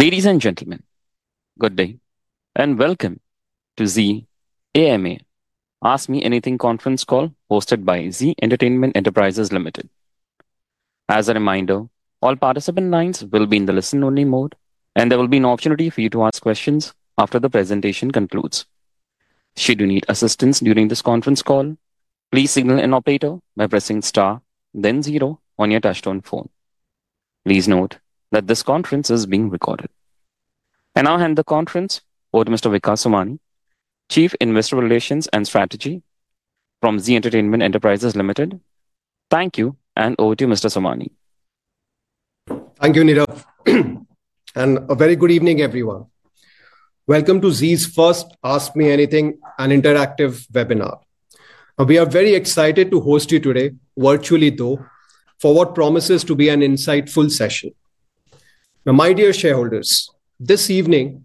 Ladies and gentlemen, good day, and welcome to the AMA Ask Me Anything Conference call hosted by Zee Entertainment Enterprises Limited. As a reminder, all participant lines will be in the listen-only mode, and there will be an opportunity for you to ask questions after the presentation concludes. Should you need assistance during this conference call, please signal an operator by pressing star, then zero on your touchstone phone. Please note that this conference is being recorded. I will hand the conference over to Mr. Vikas Somani, Chief Investor Relations and Strategy from Zee Entertainment Enterprises Limited. Thank you, and over to you, Mr. Somani. Thank you, Nidhav, and a very good evening, everyone. Welcome to Zee's first Ask Me Anything and Interactive webinar. We are very excited to host you today, virtually though, for what promises to be an insightful session. Now, my dear shareholders, this evening,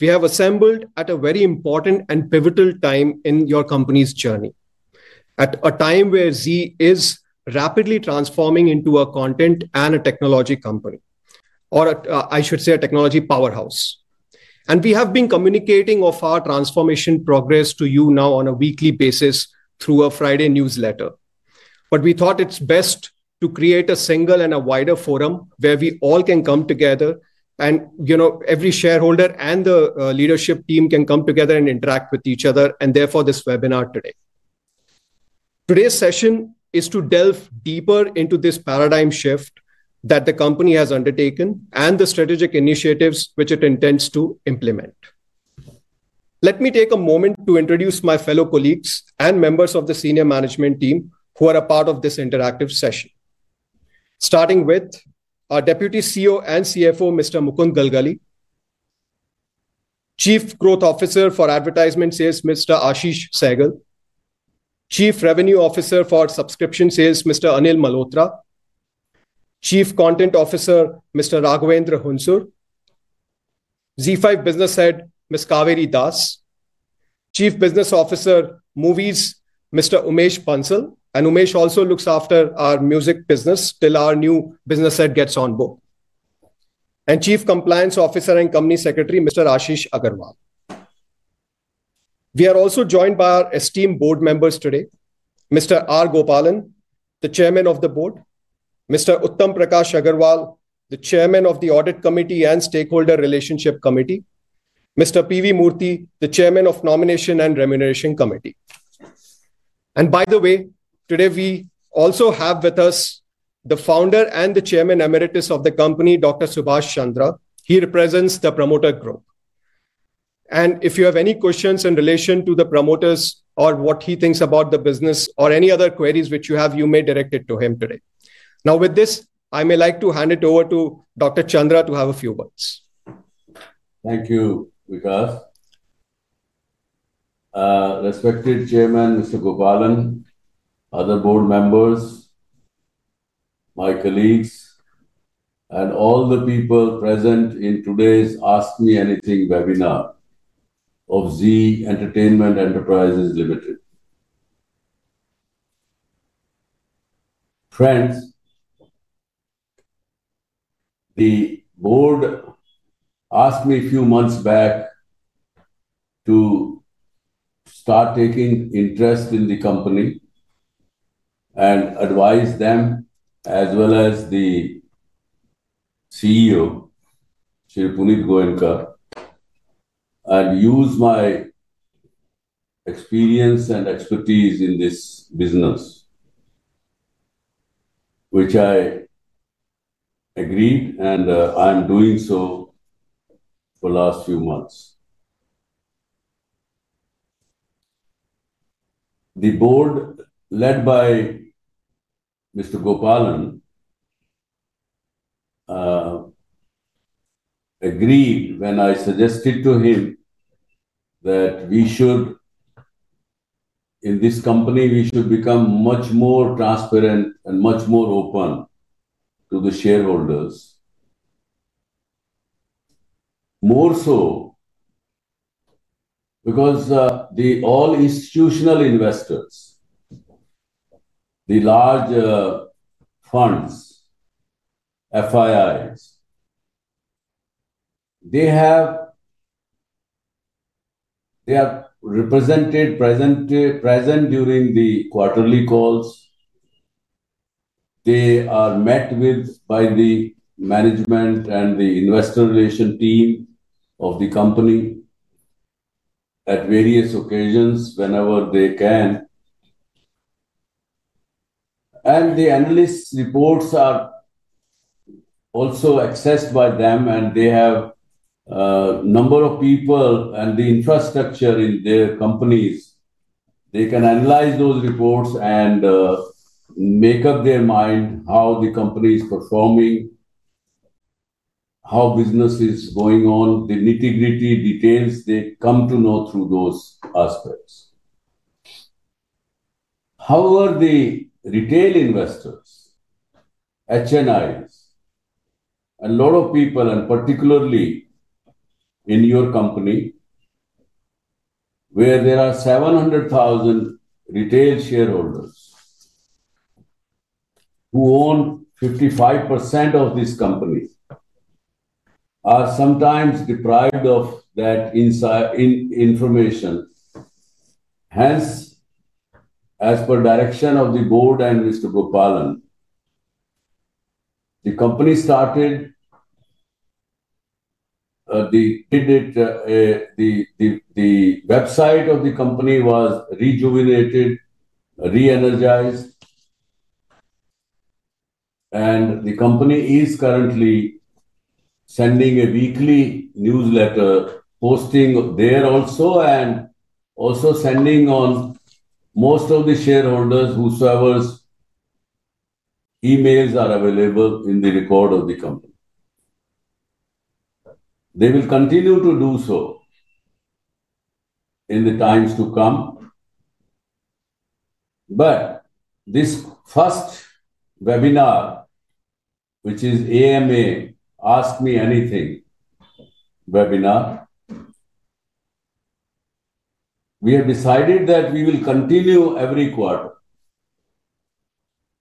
we have assembled at a very important and pivotal time in your company's journey, at a time where Zee is rapidly transforming into a content and a technology company, or I should say a technology powerhouse. We have been communicating our transformation progress to you now on a weekly basis through a Friday newsletter. We thought it's best to create a single and a wider forum where we all can come together, and every shareholder and the leadership team can come together and interact with each other, and therefore this webinar today. Today's session is to delve deeper into this paradigm shift that the company has undertaken and the strategic initiatives which it intends to implement. Let me take a moment to introduce my fellow colleagues and members of the senior management team who are a part of this interactive session, starting with our Deputy CEO and CFO, Mr. Mukund Galgali, Chief Growth Officer for Advertisement Sales, Mr. Ashish Sehgal, Chief Revenue Officer for Subscription Sales, Mr. Anil Malhotra, Chief Content Officer, Mr. Raghavendra Hunsur, ZEE5 Business Head, Ms. Kaveri Das, Chief Business Officer Movies, Mr. Umesh Bansal, and Umesh also looks after our music business till our new business head gets on board, and Chief Compliance Officer and Company Secretary, Mr. Ashish Agarwal. We are also joined by our esteemed board members today, Mr. R. Gopalan, the Chairman of the Board, Mr. Uttam Prakash Agarwal, the Chairman of the Audit Committee and Stakeholder Relationship Committee, Mr. P. V. Murthy, the Chairman of Nomination and Remuneration Committee. By the way, today we also have with us the founder and the Chairman Emeritus of the company, Dr. Subhash Chandra. He represents the promoter group. If you have any questions in relation to the promoters or what he thinks about the business or any other queries which you have, you may direct it to him today. Now, with this, I may like to hand it over to Dr. Chandra to have a few words. Thank you, Vikas. Respected Chairman, Mr. Gopalan, other board members, my colleagues, and all the people present in today's Ask Me Anything webinar of Zee Entertainment Enterprises Limited. Friends, the board asked me a few months back to start taking interest in the company and advise them, as well as the CEO, Sri Punit Goenka, and use my experience and expertise in this business, which I agreed, and I'm doing so for the last few months. The board led by Mr. Gopalan agreed when I suggested to him that in this company, we should become much more transparent and much more open to the shareholders, more so because the all-institutional investors, the large funds, FIIs, they are present during the quarterly calls. They are met with by the management and the investor relation team of the company at various occasions whenever they can. The analysts' reports are also accessed by them, and they have a number of people and the infrastructure in their companies. They can analyze those reports and make up their mind how the company is performing, how business is going on, the nitty-gritty details they come to know through those aspects. However, the retail investors, HNIs, a lot of people, and particularly in your company, where there are 700,000 retail shareholders who own 55% of this company, are sometimes deprived of that information. Hence, as per direction of the board and Mr. Gopalan, the company started the. Did it, the website of the company was rejuvenated, re-energized, and the company is currently sending a weekly newsletter posting there also and also sending on most of the shareholders' whosoever's emails are available in the record of the company. They will continue to do so in the times to come. This first webinar, which is AMA Ask Me Anything webinar, we have decided that we will continue every quarter.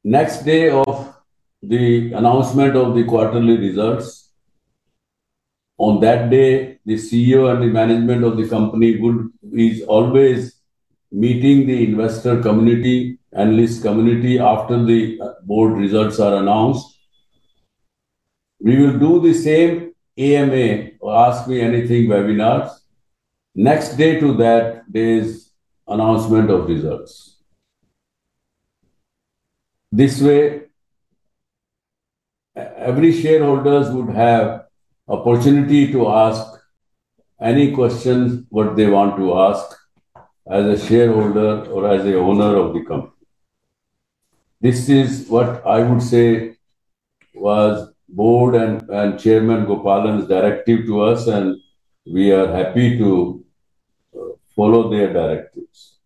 Next day of the announcement of the quarterly results, on that day, the CEO and the management of the company is always meeting the investor community, analyst community, after the board results are announced. We will do the same AMA or Ask Me Anything webinars. Next day to that, there is announcement of results. This way, every shareholder would have the opportunity to ask any questions what they want to ask as a shareholder or as an owner of the company. This is what I would say was board and Chairman Gopalan's directive to us, and we are happy to follow their directives.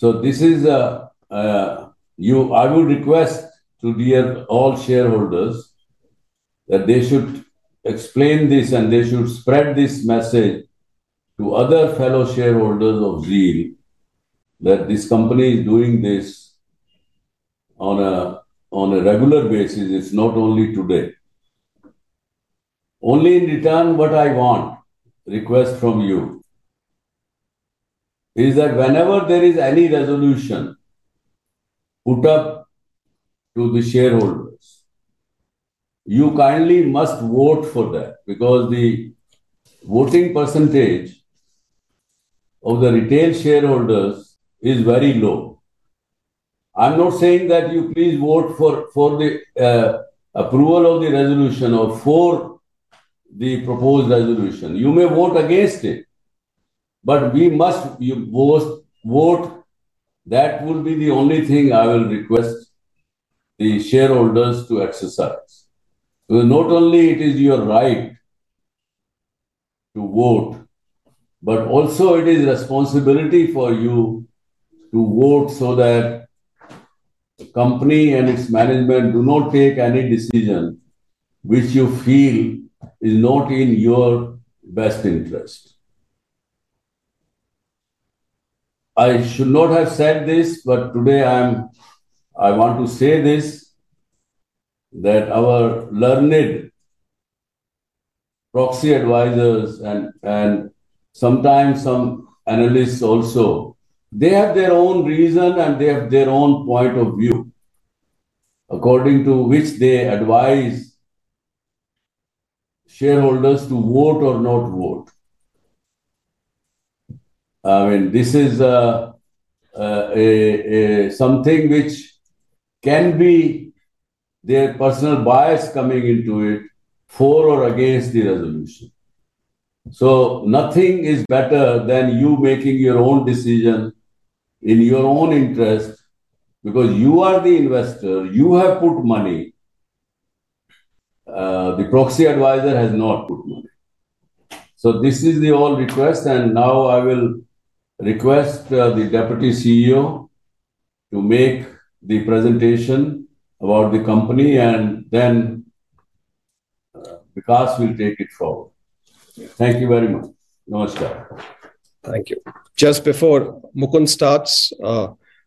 This is a I would request to dear all shareholders that they should explain this and they should spread this message to other fellow shareholders of Zee that this company is doing this on a regular basis. It's not only today. Only in return, what I want request from you is that whenever there is any resolution put up to the shareholders, you kindly must vote for that because the voting percentage of the retail shareholders is very low. I'm not saying that you please vote for the approval of the resolution or for the proposed resolution. You may vote against it, but we must vote. That will be the only thing I will request the shareholders to exercise. Not only is it your right to vote, but also it is responsibility for you to vote so that the company and its management do not take any decision which you feel is not in your best interest. I should not have said this, but today I want to say this that our learned proxy advisors and sometimes some analysts also, they have their own reason and they have their own point of view according to which they advise shareholders to vote or not vote. I mean, this is something which can be their personal bias coming into it for or against the resolution. Nothing is better than you making your own decision in your own interest because you are the investor. You have put money. The proxy advisor has not put money. This is the all request. I will request the Deputy CEO to make the presentation about the company, and then Vikas will take it forward. Thank you very much. Namaskar. Thank you. Just before Mukund starts,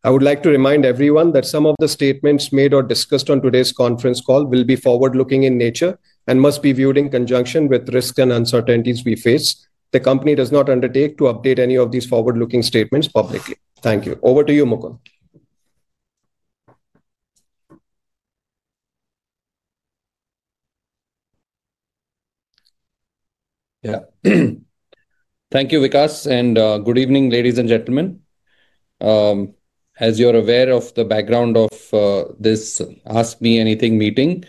I would like to remind everyone that some of the statements made or discussed on today's conference call will be forward-looking in nature and must be viewed in conjunction with risks and uncertainties we face. The company does not undertake to update any of these forward-looking statements publicly. Thank you. Over to you, Mukund. Yeah. Thank you, Vikas, and good evening, ladies and gentlemen. As you're aware of the background of this Ask Me Anything meeting,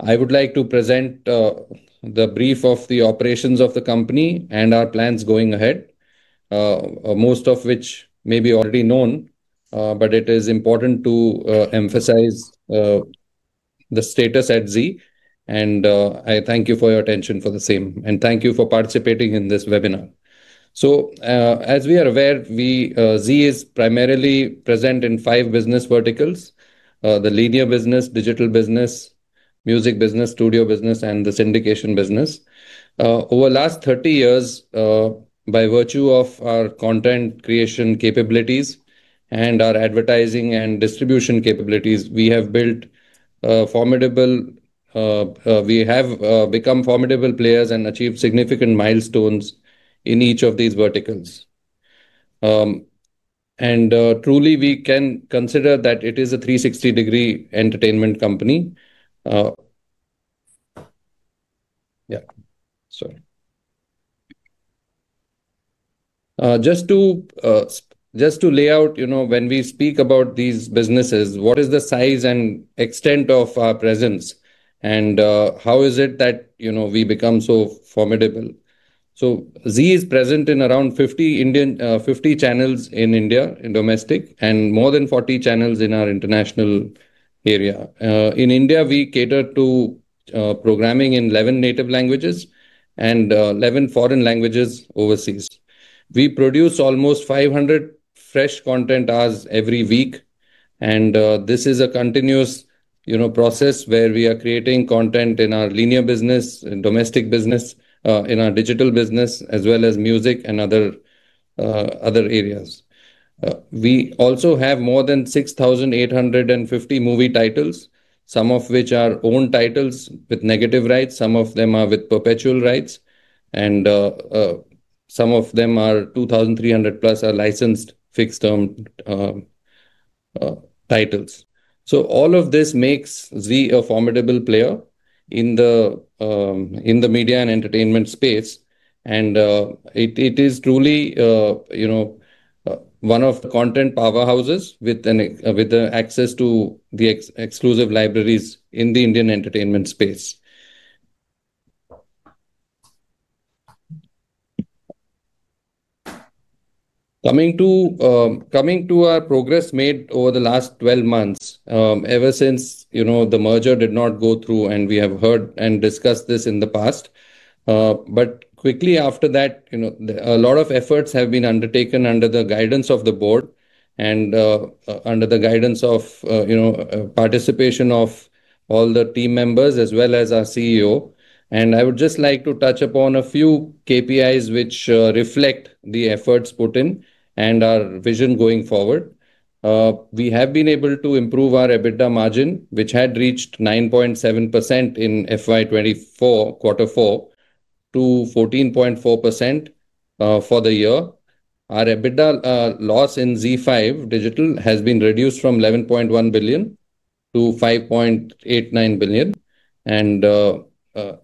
I would like to present the brief of the operations of the company and our plans going ahead, most of which may be already known, but it is important to emphasize the status at Zee. I thank you for your attention for the same, and thank you for participating in this webinar. As we are aware, Zee is primarily present in five business verticals: the linear business, digital business, music business, studio business, and the syndication business. Over the last 30 years, by virtue of our content creation capabilities and our advertising and distribution capabilities, we have become formidable players and achieved significant milestones in each of these verticals. Truly, we can consider that it is a 360-degree entertainment company. Yeah. Sorry. Just to lay out, when we speak about these businesses, what is the size and extent of our presence, and how is it that we become so formidable? Zee is present in around 50 channels in India, domestic, and more than 40 channels in our international area. In India, we cater to programming in 11 native languages and 11 foreign languages overseas. We produce almost 500 fresh content hours every week, and this is a continuous process where we are creating content in our linear business, domestic business, in our digital business, as well as music and other areas. We also have more than 6,850 movie titles, some of which are own titles with negative rights. Some of them are with perpetual rights, and some of them are 2,300-plus licensed fixed-term titles. All of this makes Zee a formidable player in the media and entertainment space, and it is truly one of the content powerhouses with access to the exclusive libraries in the Indian entertainment space. Coming to our progress made over the last 12 months, ever since the merger did not go through, and we have heard and discussed this in the past, but quickly after that, a lot of efforts have been undertaken under the guidance of the board and under the guidance of participation of all the team members as well as our CEO. I would just like to touch upon a few KPIs which reflect the efforts put in and our vision going forward. We have been able to improve our EBITDA margin, which had reached 9.7% in FY2024, quarter four, to 14.4% for the year. Our EBITDA loss in ZEE5 digital has been reduced from 11.1 billion to 5.89 billion.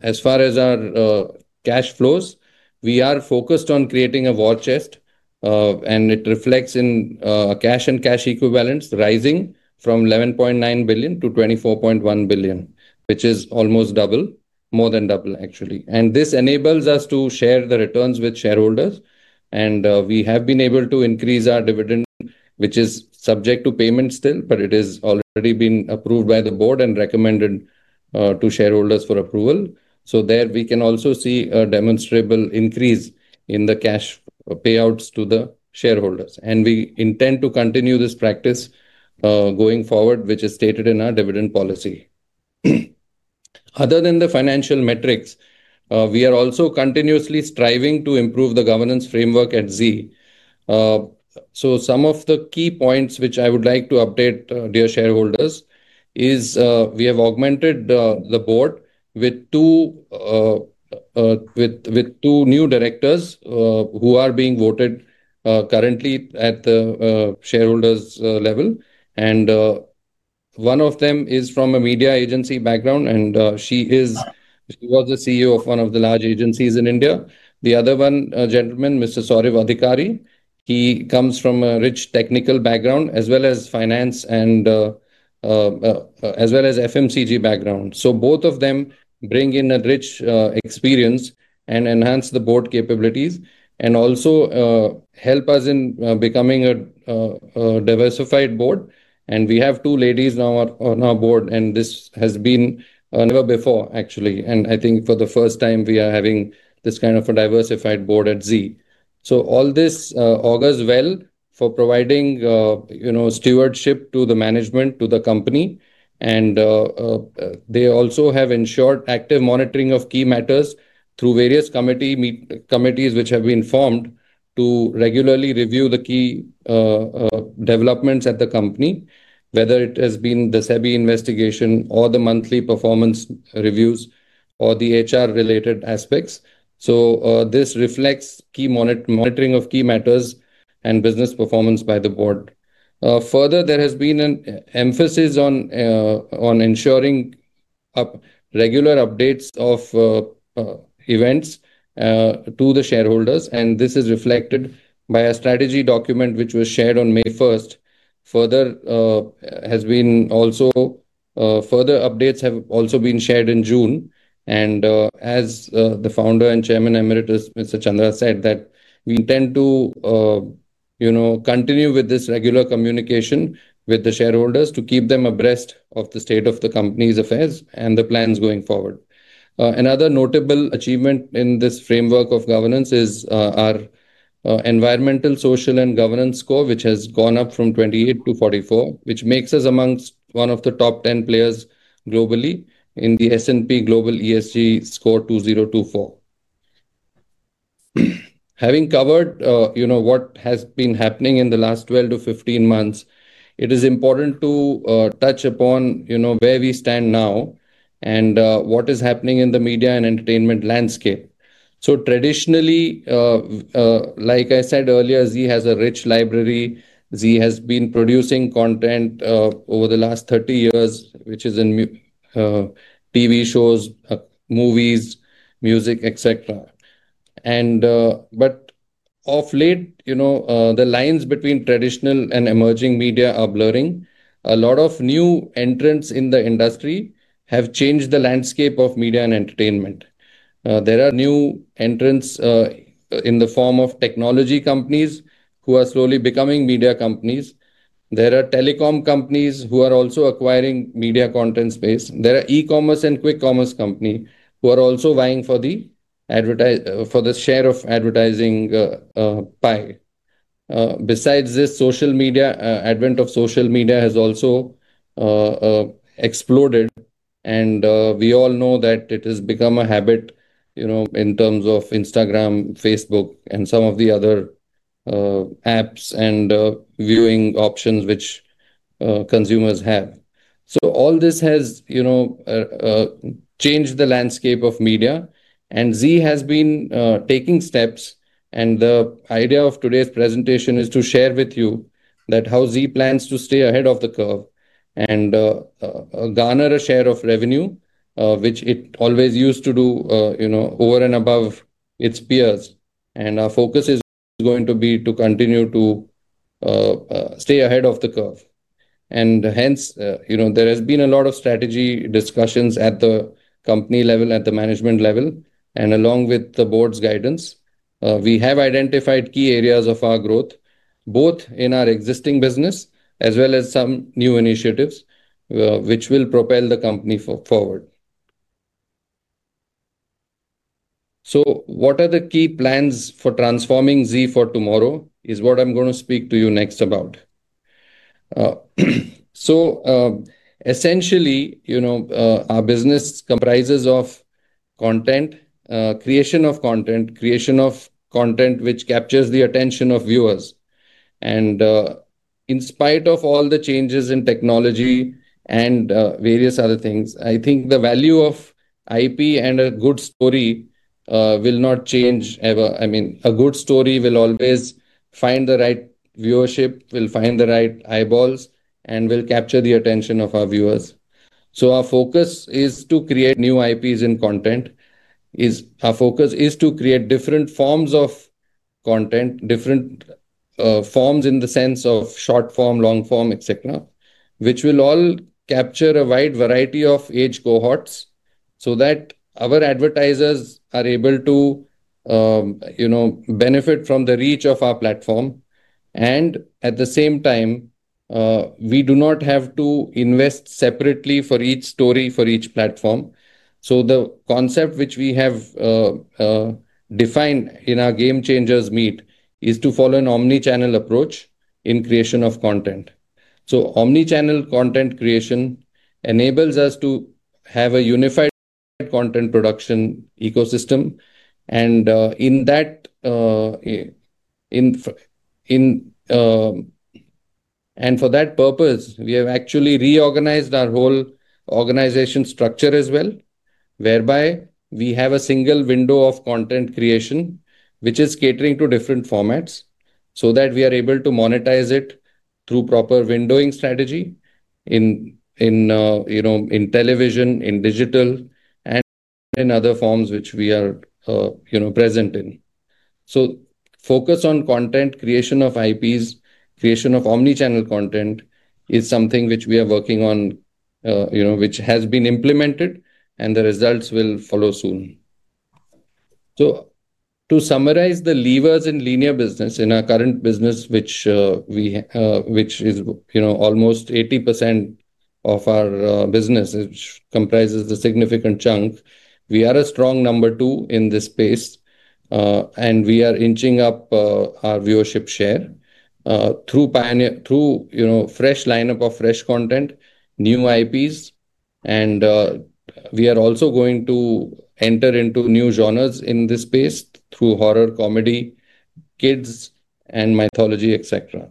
As far as our cash flows, we are focused on creating a war chest, and it reflects in cash and cash equivalents rising from 11.9 billion to 24.1 billion, which is almost double, more than double, actually. This enables us to share the returns with shareholders, and we have been able to increase our dividend, which is subject to payment still, but it has already been approved by the board and recommended to shareholders for approval. There we can also see a demonstrable increase in the cash payouts to the shareholders. We intend to continue this practice going forward, which is stated in our dividend policy. Other than the financial metrics, we are also continuously striving to improve the governance framework at Zee. Some of the key points which I would like to update, dear shareholders, is we have augmented the board with two new directors who are being voted currently at the shareholders' level. One of them is from a media agency background, and she was the CEO of one of the large agencies in India. The other one gentleman, Mr. Saurav Adhikari, he comes from a rich technical background as well as finance and as well as FMCG background. Both of them bring in a rich experience and enhance the board capabilities and also help us in becoming a diversified board. We have two ladies now on our board, and this has been never before, actually. I think for the first time we are having this kind of a diversified board at Zee. All this augurs well for providing stewardship to the management, to the company. They also have ensured active monitoring of key matters through various committees which have been formed to regularly review the key developments at the company, whether it has been the SEBI investigation or the monthly performance reviews or the HR-related aspects. This reflects key monitoring of key matters and business performance by the board. Further, there has been an emphasis on ensuring regular updates of events to the shareholders, and this is reflected by a strategy document which was shared on May 1. Further updates have also been shared in June. As the Founder and Chairman Emeritus, Mr. Chandra, said that we intend to continue with this regular communication with the shareholders to keep them abreast of the state of the company's affairs and the plans going forward. Another notable achievement in this framework of governance is our environmental, social, and governance score, which has gone up from 28 to 44, which makes us amongst one of the top 10 players globally in the S&P Global ESG score 2024. Having covered what has been happening in the last 12 to 15 months, it is important to touch upon where we stand now and what is happening in the media and entertainment landscape. Traditionally, like I said earlier, Zee has a rich library. Zee has been producing content over the last 30 years, which is in TV shows, movies, music, etc. Of late, the lines between traditional and emerging media are blurring. A lot of new entrants in the industry have changed the landscape of media and entertainment. There are new entrants in the form of technology companies who are slowly becoming media companies. There are telecom companies who are also acquiring media content space. There are e-commerce and quick commerce companies who are also vying for the share of advertising pie. Besides this, the advent of social media has also exploded, and we all know that it has become a habit in terms of Instagram, Facebook, and some of the other apps and viewing options which consumers have. All this has changed the landscape of media, and Zee has been taking steps. The idea of today's presentation is to share with you how Zee plans to stay ahead of the curve and garner a share of revenue, which it always used to do, over and above its peers. Our focus is going to be to continue to stay ahead of the curve. Hence, there has been a lot of strategy discussions at the company level, at the management level, and along with the board's guidance, we have identified key areas of our growth, both in our existing business as well as some new initiatives which will propel the company forward. What are the key plans for transforming Zee for tomorrow is what I'm going to speak to you next about. Essentially, our business comprises of content, creation of content, creation of content which captures the attention of viewers. In spite of all the changes in technology and various other things, I think the value of IP and a good story will not change ever. I mean, a good story will always find the right viewership, will find the right eyeballs, and will capture the attention of our viewers. Our focus is to create new IPs in content. Our focus is to create different forms of content, different forms in the sense of short form, long form, etc., which will all capture a wide variety of age cohorts so that our advertisers are able to benefit from the reach of our platform. At the same time, we do not have to invest separately for each story, for each platform. The concept which we have defined in our game changers meet is to follow an omnichannel approach in creation of content. Omnichannel content creation enables us to have a unified content production ecosystem. For that purpose, we have actually reorganized our whole organization structure as well, whereby we have a single window of content creation, which is catering to different formats so that we are able to monetize it through proper windowing strategy in television, in digital, and in other forms which we are present in. Focus on content creation of IPs, creation of omnichannel content is something which we are working on, which has been implemented, and the results will follow soon. To summarize the levers in linear business, in our current business, which is almost 80% of our business, which comprises a significant chunk, we are a strong number two in this space, and we are inching up our viewership share through fresh lineup of fresh content, new IPs. We are also going to enter into new genres in this space through horror, comedy, kids, and mythology, etc.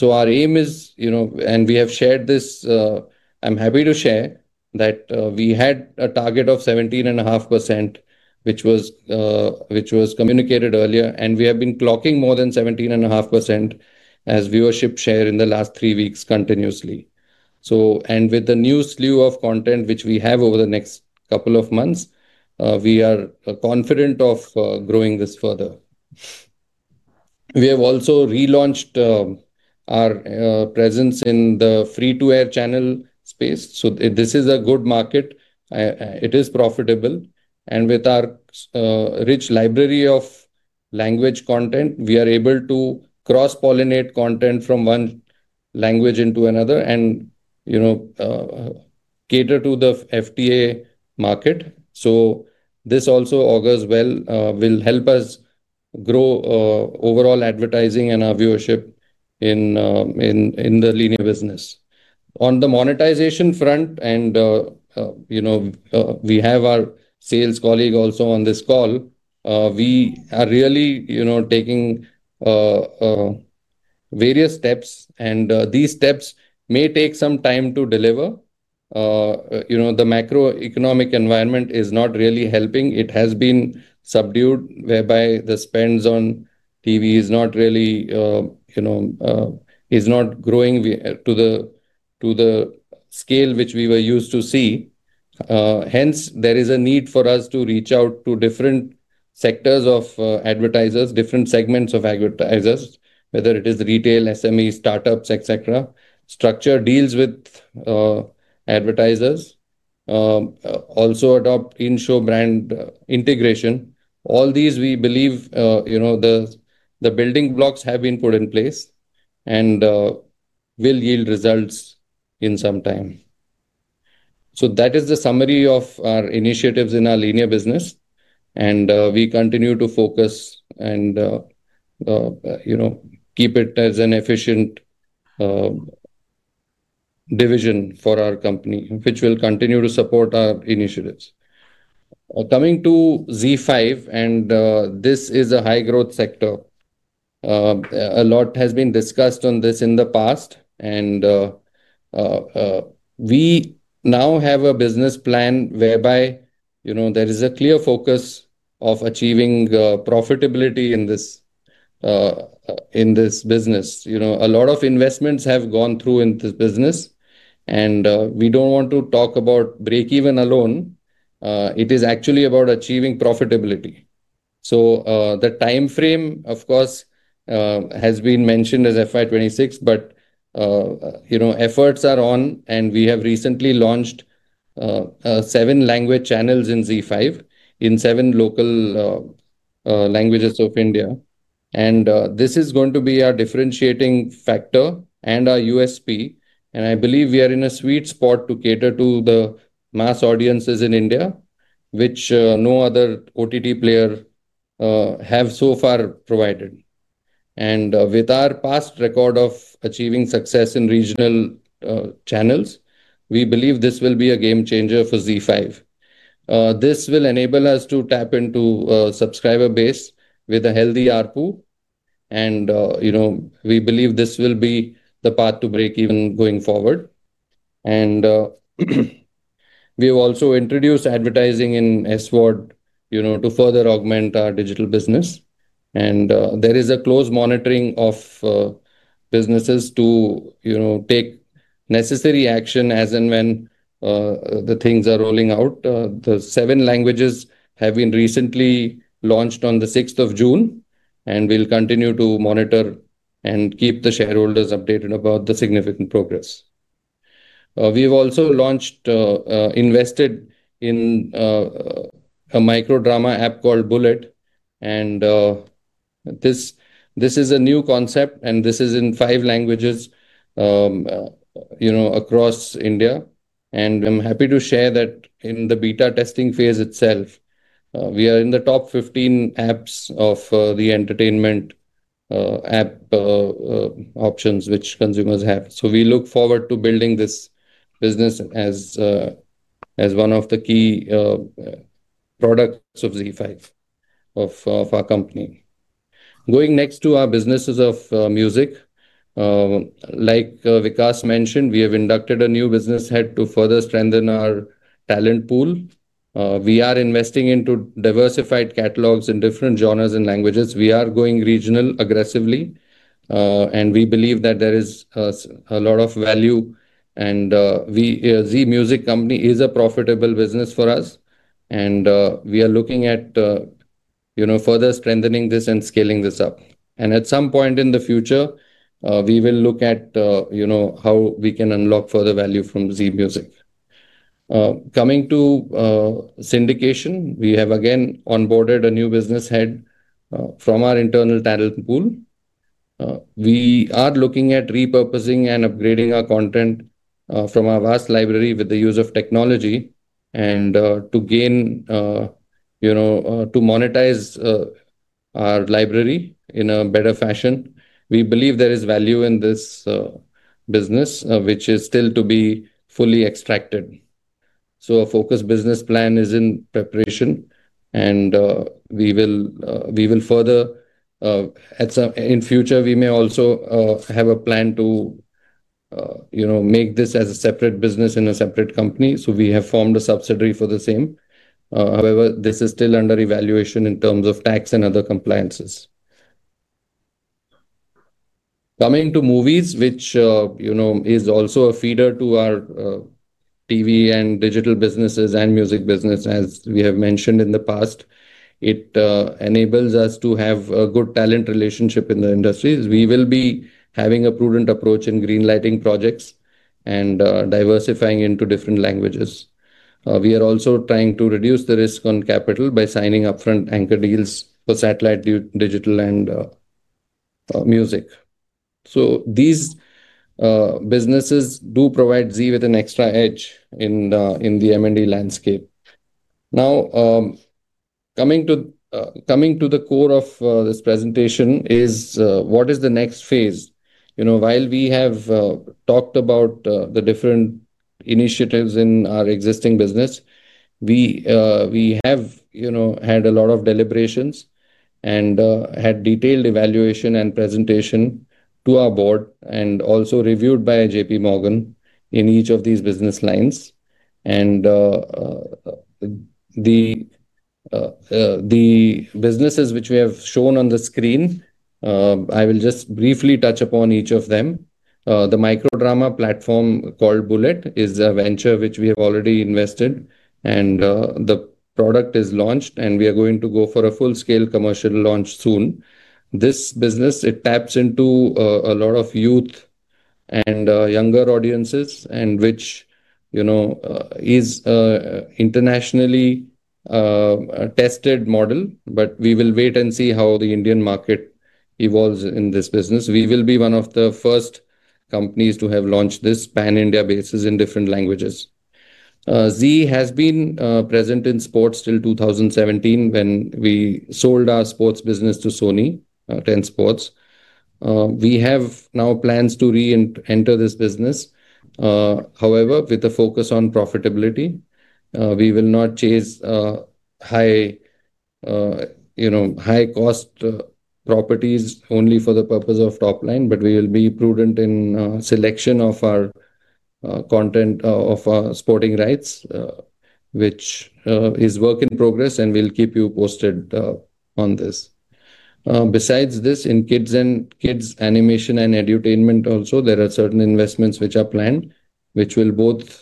Our aim is, and we have shared this, I'm happy to share that we had a target of 17.5%, which was communicated earlier, and we have been clocking more than 17.5% as viewership share in the last three weeks continuously. With the new slew of content which we have over the next couple of months, we are confident of growing this further. We have also relaunched our presence in the free-to-air channel space. This is a good market. It is profitable. With our rich library of language content, we are able to cross-pollinate content from one language into another and cater to the FTA market. This also augurs well, will help us grow overall advertising and our viewership in the linear business. On the monetization front, and we have our sales colleague also on this call, we are really taking various steps, and these steps may take some time to deliver. The macroeconomic environment is not really helping. It has been subdued, whereby the spend on TV is not really growing to the scale which we were used to see. Hence, there is a need for us to reach out to different sectors of advertisers, different segments of advertisers, whether it is retail, SMEs, startups, etc. Structure deals with advertisers, also adopt in-show brand integration. All these, we believe the building blocks have been put in place and will yield results in some time. That is the summary of our initiatives in our linear business, and we continue to focus and keep it as an efficient division for our company, which will continue to support our initiatives. Coming to ZEE5, and this is a high-growth sector. A lot has been discussed on this in the past, and we now have a business plan whereby there is a clear focus of achieving profitability in this business. A lot of investments have gone through in this business, and we do not want to talk about break-even alone. It is actually about achieving profitability. The time frame, of course, has been mentioned as FY 2026, but efforts are on, and we have recently launched seven language channels in ZEE5 in seven local languages of India. This is going to be our differentiating factor and our USP. I believe we are in a sweet spot to cater to the mass audiences in India, which no other OTT player has so far provided. With our past record of achieving success in regional channels, we believe this will be a game changer for ZEE5. This will enable us to tap into a subscriber base with a healthy output, and we believe this will be the path to break-even going forward. We have also introduced advertising in AVOD to further augment our digital business. There is a close monitoring of businesses to take necessary action as and when the things are rolling out. The seven languages have been recently launched on the 6th of June, and we will continue to monitor and keep the shareholders updated about the significant progress. We have also launched, invested in a micro drama app called Bullet. This is a new concept, and this is in five languages across India. I am happy to share that in the beta testing phase itself, we are in the top 15 apps of the entertainment app options which consumers have. We look forward to building this business as one of the key products of ZEE5 of our company. Going next to our businesses of music, like Vikas mentioned, we have inducted a new business head to further strengthen our talent pool. We are investing into diversified catalogs in different genres and languages. We are going regional aggressively, and we believe that there is a lot of value, and Zee Music Company is a profitable business for us. We are looking at further strengthening this and scaling this up. At some point in the future, we will look at how we can unlock further value from Zee Music. Coming to syndication, we have again onboarded a new business head from our internal talent pool. We are looking at repurposing and upgrading our content from our vast library with the use of technology and to monetize our library in a better fashion. We believe there is value in this business, which is still to be fully extracted. A focused business plan is in preparation, and further in future, we may also have a plan to make this as a separate business in a separate company. We have formed a subsidiary for the same. However, this is still under evaluation in terms of tax and other compliances. Coming to movies, which is also a feeder to our TV and digital businesses and music business, as we have mentioned in the past, it enables us to have a good talent relationship in the industries. We will be having a prudent approach in greenlighting projects and diversifying into different languages. We are also trying to reduce the risk on capital by signing upfront anchor deals for satellite, digital, and music. These businesses do provide Zee with an extra edge in the M&D landscape. Now, coming to the core of this presentation, what is the next phase. While we have talked about the different initiatives in our existing business, we have had a lot of deliberations and had detailed evaluation and presentation to our board and also reviewed by JPMorgan in each of these business lines. The businesses which we have shown on the screen, I will just briefly touch upon each of them. The micro drama platform called Bullet is a venture which we have already invested, and the product is launched, and we are going to go for a full-scale commercial launch soon. This business, it taps into a lot of youth and younger audiences, which is an internationally tested model, but we will wait and see how the Indian market evolves in this business. We will be one of the first companies to have launched this Pan-India basis in different languages. Zee has been present in sports till 2017 when we sold our sports business to Sony, 10 Sports. We have now plans to re-enter this business. However, with a focus on profitability, we will not chase high-cost properties only for the purpose of top line, but we will be prudent in selection of our content, of our sporting rights, which is work in progress, and we will keep you posted on this. Besides this, in kids and kids animation and edutainment also, there are certain investments which are planned, which will both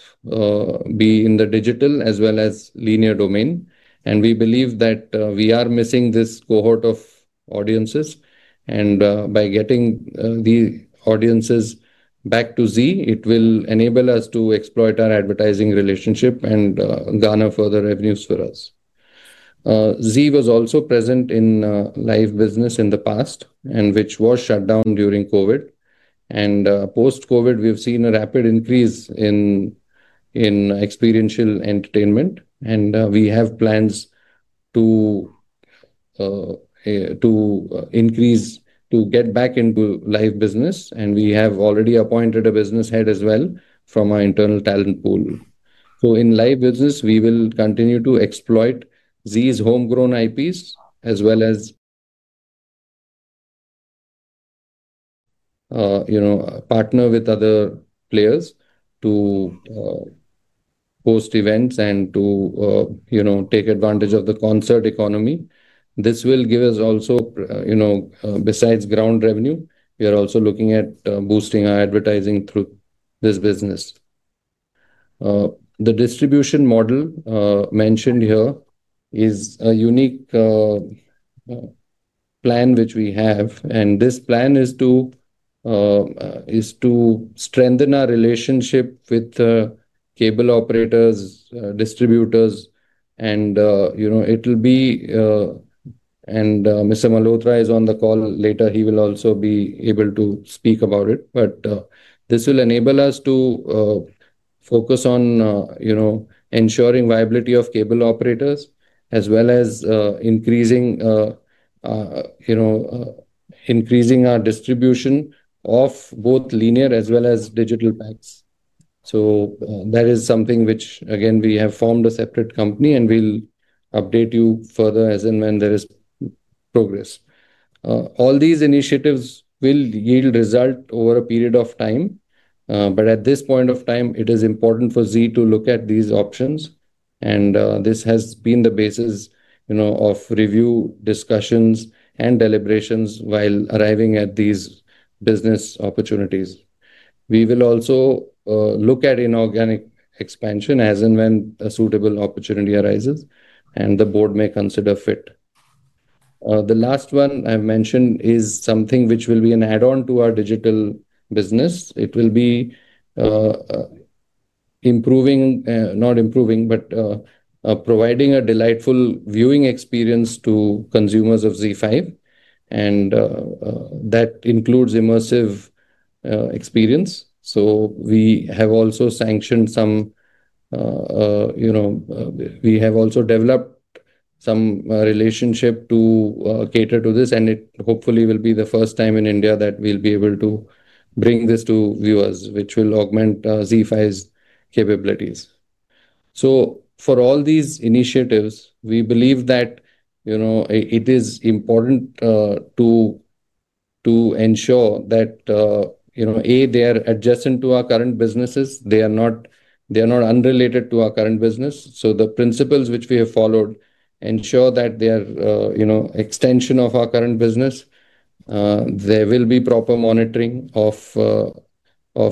be in the digital as well as linear domain. We believe that we are missing this cohort of audiences, and by getting the audiences back to Zee, it will enable us to exploit our advertising relationship and garner further revenues for us. Zee was also present in live business in the past, which was shut down during COVID. Post-COVID, we've seen a rapid increase in experiential entertainment, and we have plans to increase to get back into live business, and we have already appointed a Business Head as well from our internal talent pool. In live business, we will continue to exploit Zee's homegrown IPs as well as partner with other players to host events and to take advantage of the concert economy. This will give us also, besides ground revenue, we are also looking at boosting our advertising through this business. The distribution model mentioned here is a unique plan which we have, and this plan is to strengthen our relationship with cable operators, distributors, and it will be, and Mr. Malhotra is on the call later. He will also be able to speak about it, but this will enable us to focus on ensuring viability of cable operators as well as increasing our distribution of both linear as well as digital packs. That is something which, again, we have formed a separate company, and we'll update you further as and when there is progress. All these initiatives will yield result over a period of time, but at this point of time, it is important for Zee to look at these options, and this has been the basis of review, discussions, and deliberations while arriving at these business opportunities. We will also look at inorganic expansion as and when a suitable opportunity arises, and the board may consider fit. The last one I've mentioned is something which will be an add-on to our digital business. It will be improving, not improving, but providing a delightful viewing experience to consumers of ZEE5, and that includes immersive experience. We have also sanctioned some, we have also developed some relationship to cater to this, and it hopefully will be the first time in India that we will be able to bring this to viewers, which will augment ZEE5's capabilities. For all these initiatives, we believe that it is important to ensure that, A, they are adjacent to our current businesses. They are not unrelated to our current business. The principles which we have followed ensure that they are extension of our current business. There will be proper monitoring of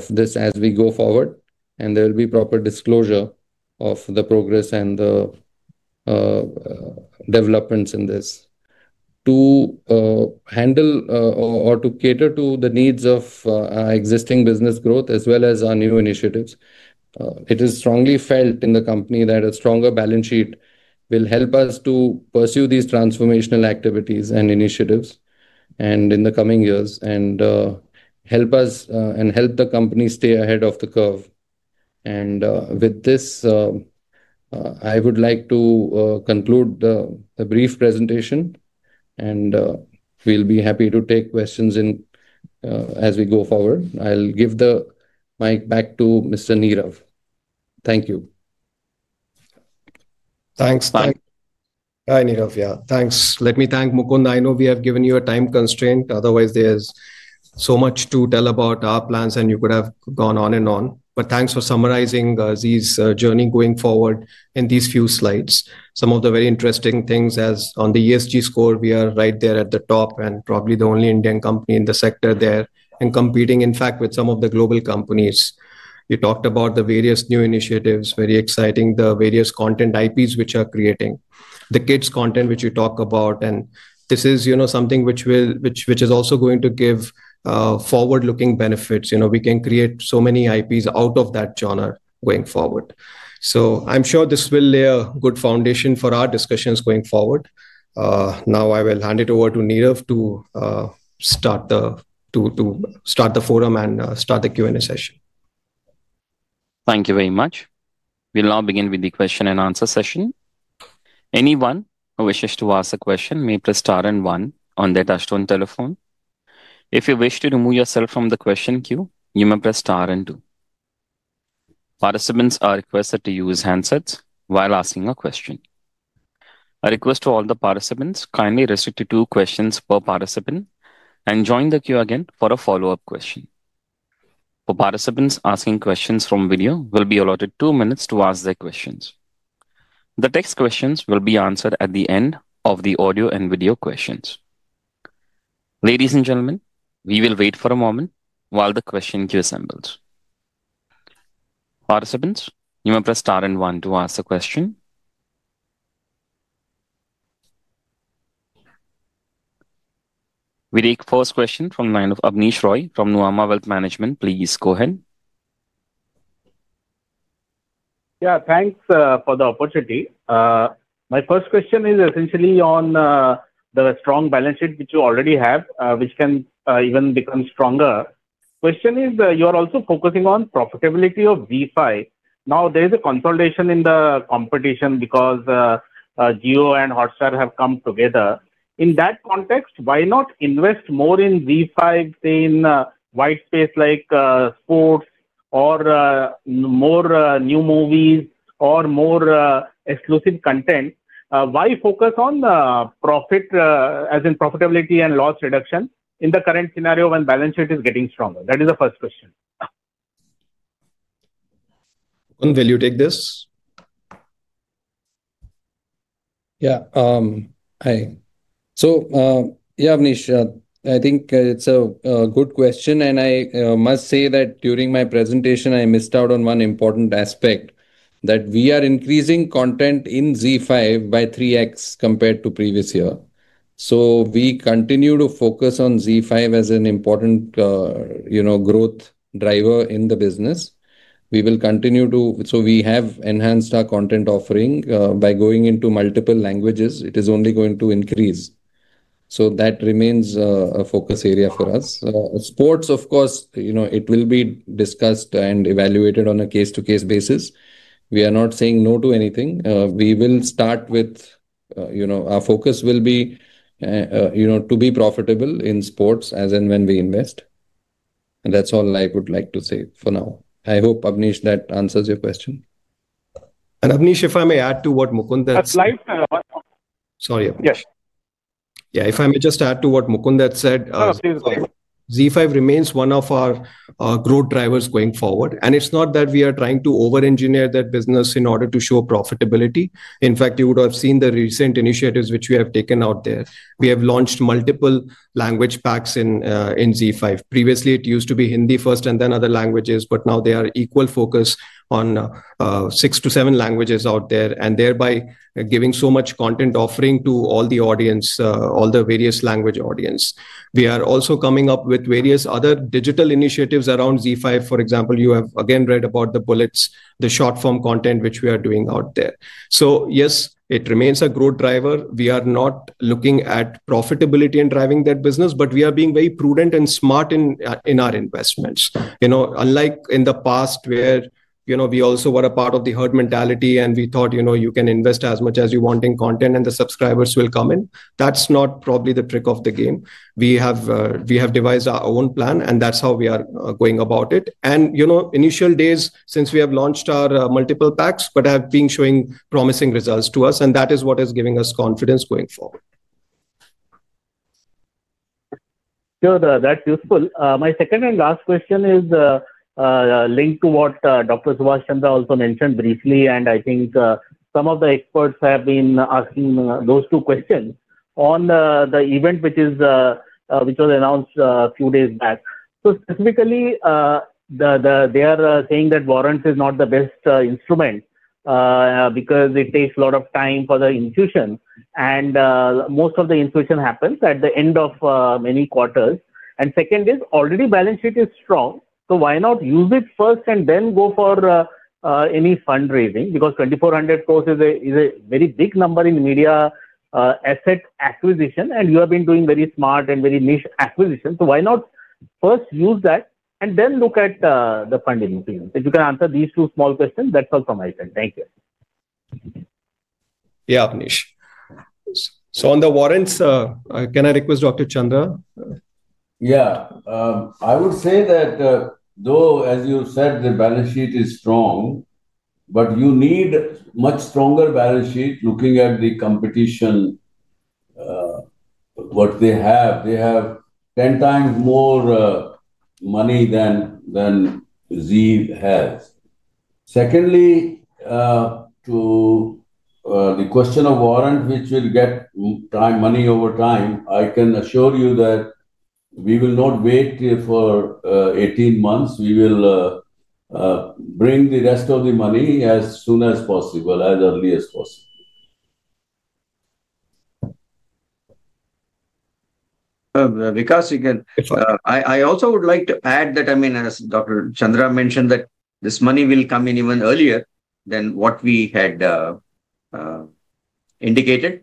this as we go forward, and there will be proper disclosure of the progress and the developments in this. To handle or to cater to the needs of our existing business growth as well as our new initiatives, it is strongly felt in the company that a stronger balance sheet will help us to pursue these transformational activities and initiatives in the coming years and help us and help the company stay ahead of the curve. With this, I would like to conclude the brief presentation, and we will be happy to take questions as we go forward. I will give the mic back to Mr. Nirav. Thank you. Thanks. Bye. Bye, Nirav. Yeah. Thanks. Let me thank Mukund. I know we have given you a time constraint. Otherwise, there is so much to tell about our plans, and you could have gone on and on. Thanks for summarizing Zee's journey going forward in these few slides. Some of the very interesting things as on the ESG score, we are right there at the top and probably the only Indian company in the sector there and competing, in fact, with some of the global companies. You talked about the various new initiatives, very exciting, the various content IPs which are creating, the kids' content which you talk about. This is something which is also going to give forward-looking benefits. We can create so many IPs out of that genre going forward. I am sure this will lay a good foundation for our discussions going forward. Now I will hand it over to Nirav to start the forum and start the Q&A session. Thank you very much. We will now begin with the question and answer session. Anyone who wishes to ask a question may press star and one on their touchstone telephone. If you wish to remove yourself from the question queue, you may press star and two. Participants are requested to use handsets while asking a question. A request to all the participants: kindly restrict to two questions per participant and join the queue again for a follow-up question. For participants asking questions from video, you will be allotted two minutes to ask their questions. The text questions will be answered at the end of the audio and video questions. Ladies and gentlemen, we will wait for a moment while the question queue assembles. Participants, you may press star and one to ask a question. We take the first question from Abhaneesh Roy from Nuvama Wealth Management. Please go ahead. Yeah, thanks for the opportunity. My first question is essentially on the strong balance sheet which you already have, which can even become stronger. Question is, you are also focusing on profitability of ZEE5. Now, there is a consolidation in the competition because Jio and Hotstar have come together. In that context, why not invest more in ZEE5 in white space like sports or more new movies or more exclusive content? Why focus on profit as in profitability and loss reduction in the current scenario when balance sheet is getting stronger? That is the first question. Will you take this? Yeah. So yeah, Abhaneesh, I think it's a good question, and I must say that during my presentation, I missed out on one important aspect that we are increasing content in ZEE5 by 3x compared to previous year. We continue to focus on ZEE5 as an important growth driver in the business. We will continue to, so we have enhanced our content offering by going into multiple languages. It is only going to increase. That remains a focus area for us. Sports, of course, will be discussed and evaluated on a case-to-case basis. We are not saying no to anything. We will start with our focus will be to be profitable in sports as and when we invest. That is all I would like to say for now. I hope, Abhaneesh, that answers your question. Abhaneesh, if I may add to what Mukund had said— Sorry. Yes. Yeah, if I may just add to what Mukund had said. ZEE5 remains one of our growth drivers going forward, and it is not that we are trying to over-engineer that business in order to show profitability. In fact, you would have seen the recent initiatives which we have taken out there. We have launched multiple language packs in ZEE5. Previously, it used to be Hindi first and then other languages, but now there is equal focus on six to seven languages out there and thereby giving so much content offering to all the audience, all the various language audience. We are also coming up with various other digital initiatives around ZEE5. For example, you have again read about the Bullet, the short-form content which we are doing out there. Yes, it remains a growth driver. We are not looking at profitability and driving that business, but we are being very prudent and smart in our investments. Unlike in the past where we also were a part of the herd mentality and we thought you can invest as much as you want in content and the subscribers will come in, that's not probably the trick of the game. We have devised our own plan, and that's how we are going about it. In initial days since we have launched our multiple packs, they have been showing promising results to us, and that is what is giving us confidence going forward. Sure, that's useful. My second and last question is linked to what Dr. Subhash Chandra also mentioned briefly, and I think some of the experts have been asking those two questions on the event which was announced a few days back. Specifically, they are saying that warrants is not the best instrument because it takes a lot of time for the institution, and most of the institution happens at the end of many quarters. Second is, already balance sheet is strong, so why not use it first and then go for any fundraising? Because 2,400 crore is a very big number in media asset acquisition, and you have been doing very smart and very niche acquisition. Why not first use that and then look at the funding? If you can answer these two small questions, that's all from my side. Thank you. Yeah, Abhaneesh. On the warrants, can I request Dr. Chandra? Yeah. I would say that though, as you said, the balance sheet is strong, you need a much stronger balance sheet looking at the competition, what they have. They have 10 times more money than Zee has. Secondly, to the question of warrant, which will get money over time, I can assure you that we will not wait for 18 months. We will bring the rest of the money as soon as possible, as early as possible. Vikas again. I also would like to add that, I mean, as Dr. Chandra mentioned, that this money will come in even earlier than what we had indicated.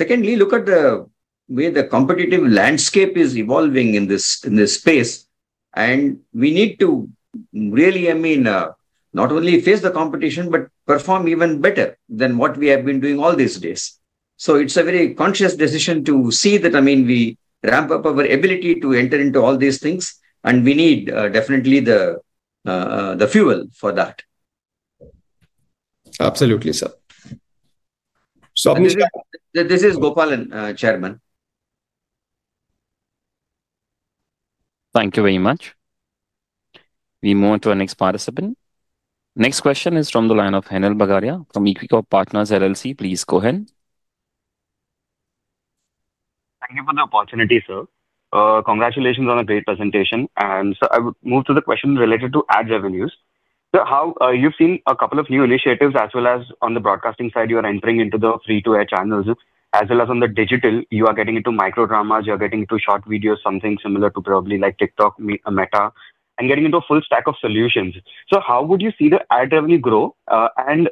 Secondly, look at the way the competitive landscape is evolving in this space, and we need to really, I mean, not only face the competition, but perform even better than what we have been doing all these days. It is a very conscious decision to see that, I mean, we ramp up our ability to enter into all these things, and we need definitely the fuel for that. Absolutely, sir. So, Abhaneesh, this is Gopalan, Chairman. Thank you very much. We move on to the next participant. Next question is from the line of Henil Bhagaria from Equirus Partners LLC. Please go ahead. Thank you for the opportunity, sir. Congratulations on a great presentation. I will move to the question related to ad revenues. You have seen a couple of new initiatives as well as on the broadcasting side, you are entering into the free-to-air channels, as well as on the digital, you are getting into microdramas, you are getting into short videos, something similar to probably like TikTok, Meta, and getting into a full stack of solutions. How would you see the ad revenue grow, and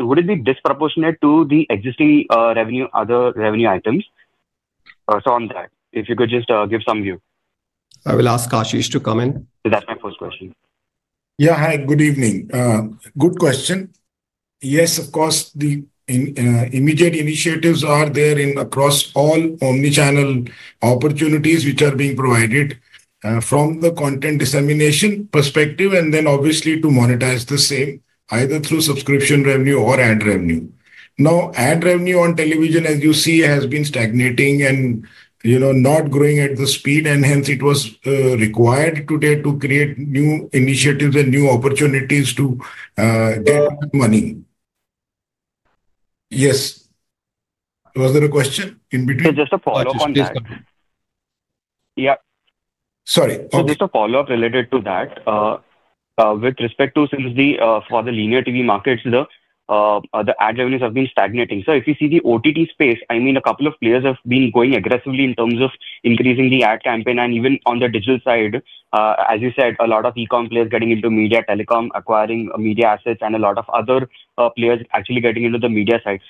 would it be disproportionate to the existing revenue, other revenue items? On that, if you could just give some view. I will ask Ashish Sehgal to come in. That is my first question. Yeah, hi, good evening. Good question. Yes, of course, the immediate initiatives are there across all omnichannel opportunities which are being provided from the content dissemination perspective, and then obviously to monetize the same, either through subscription revenue or ad revenue. Now, ad revenue on television, as you see, has been stagnating and not growing at the speed, and hence it was required today to create new initiatives and new opportunities to get money. Yes. Was there a question in between? Just a follow-up on that. Yeah. Sorry. Just a follow-up related to that. With respect to the linear TV markets, the ad revenues have been stagnating. If you see the OTT space, I mean, a couple of players have been going aggressively in terms of increasing the ad campaign, and even on the digital side, as you said, a lot of e-com players getting into media telecom, acquiring media assets, and a lot of other players actually getting into the media side.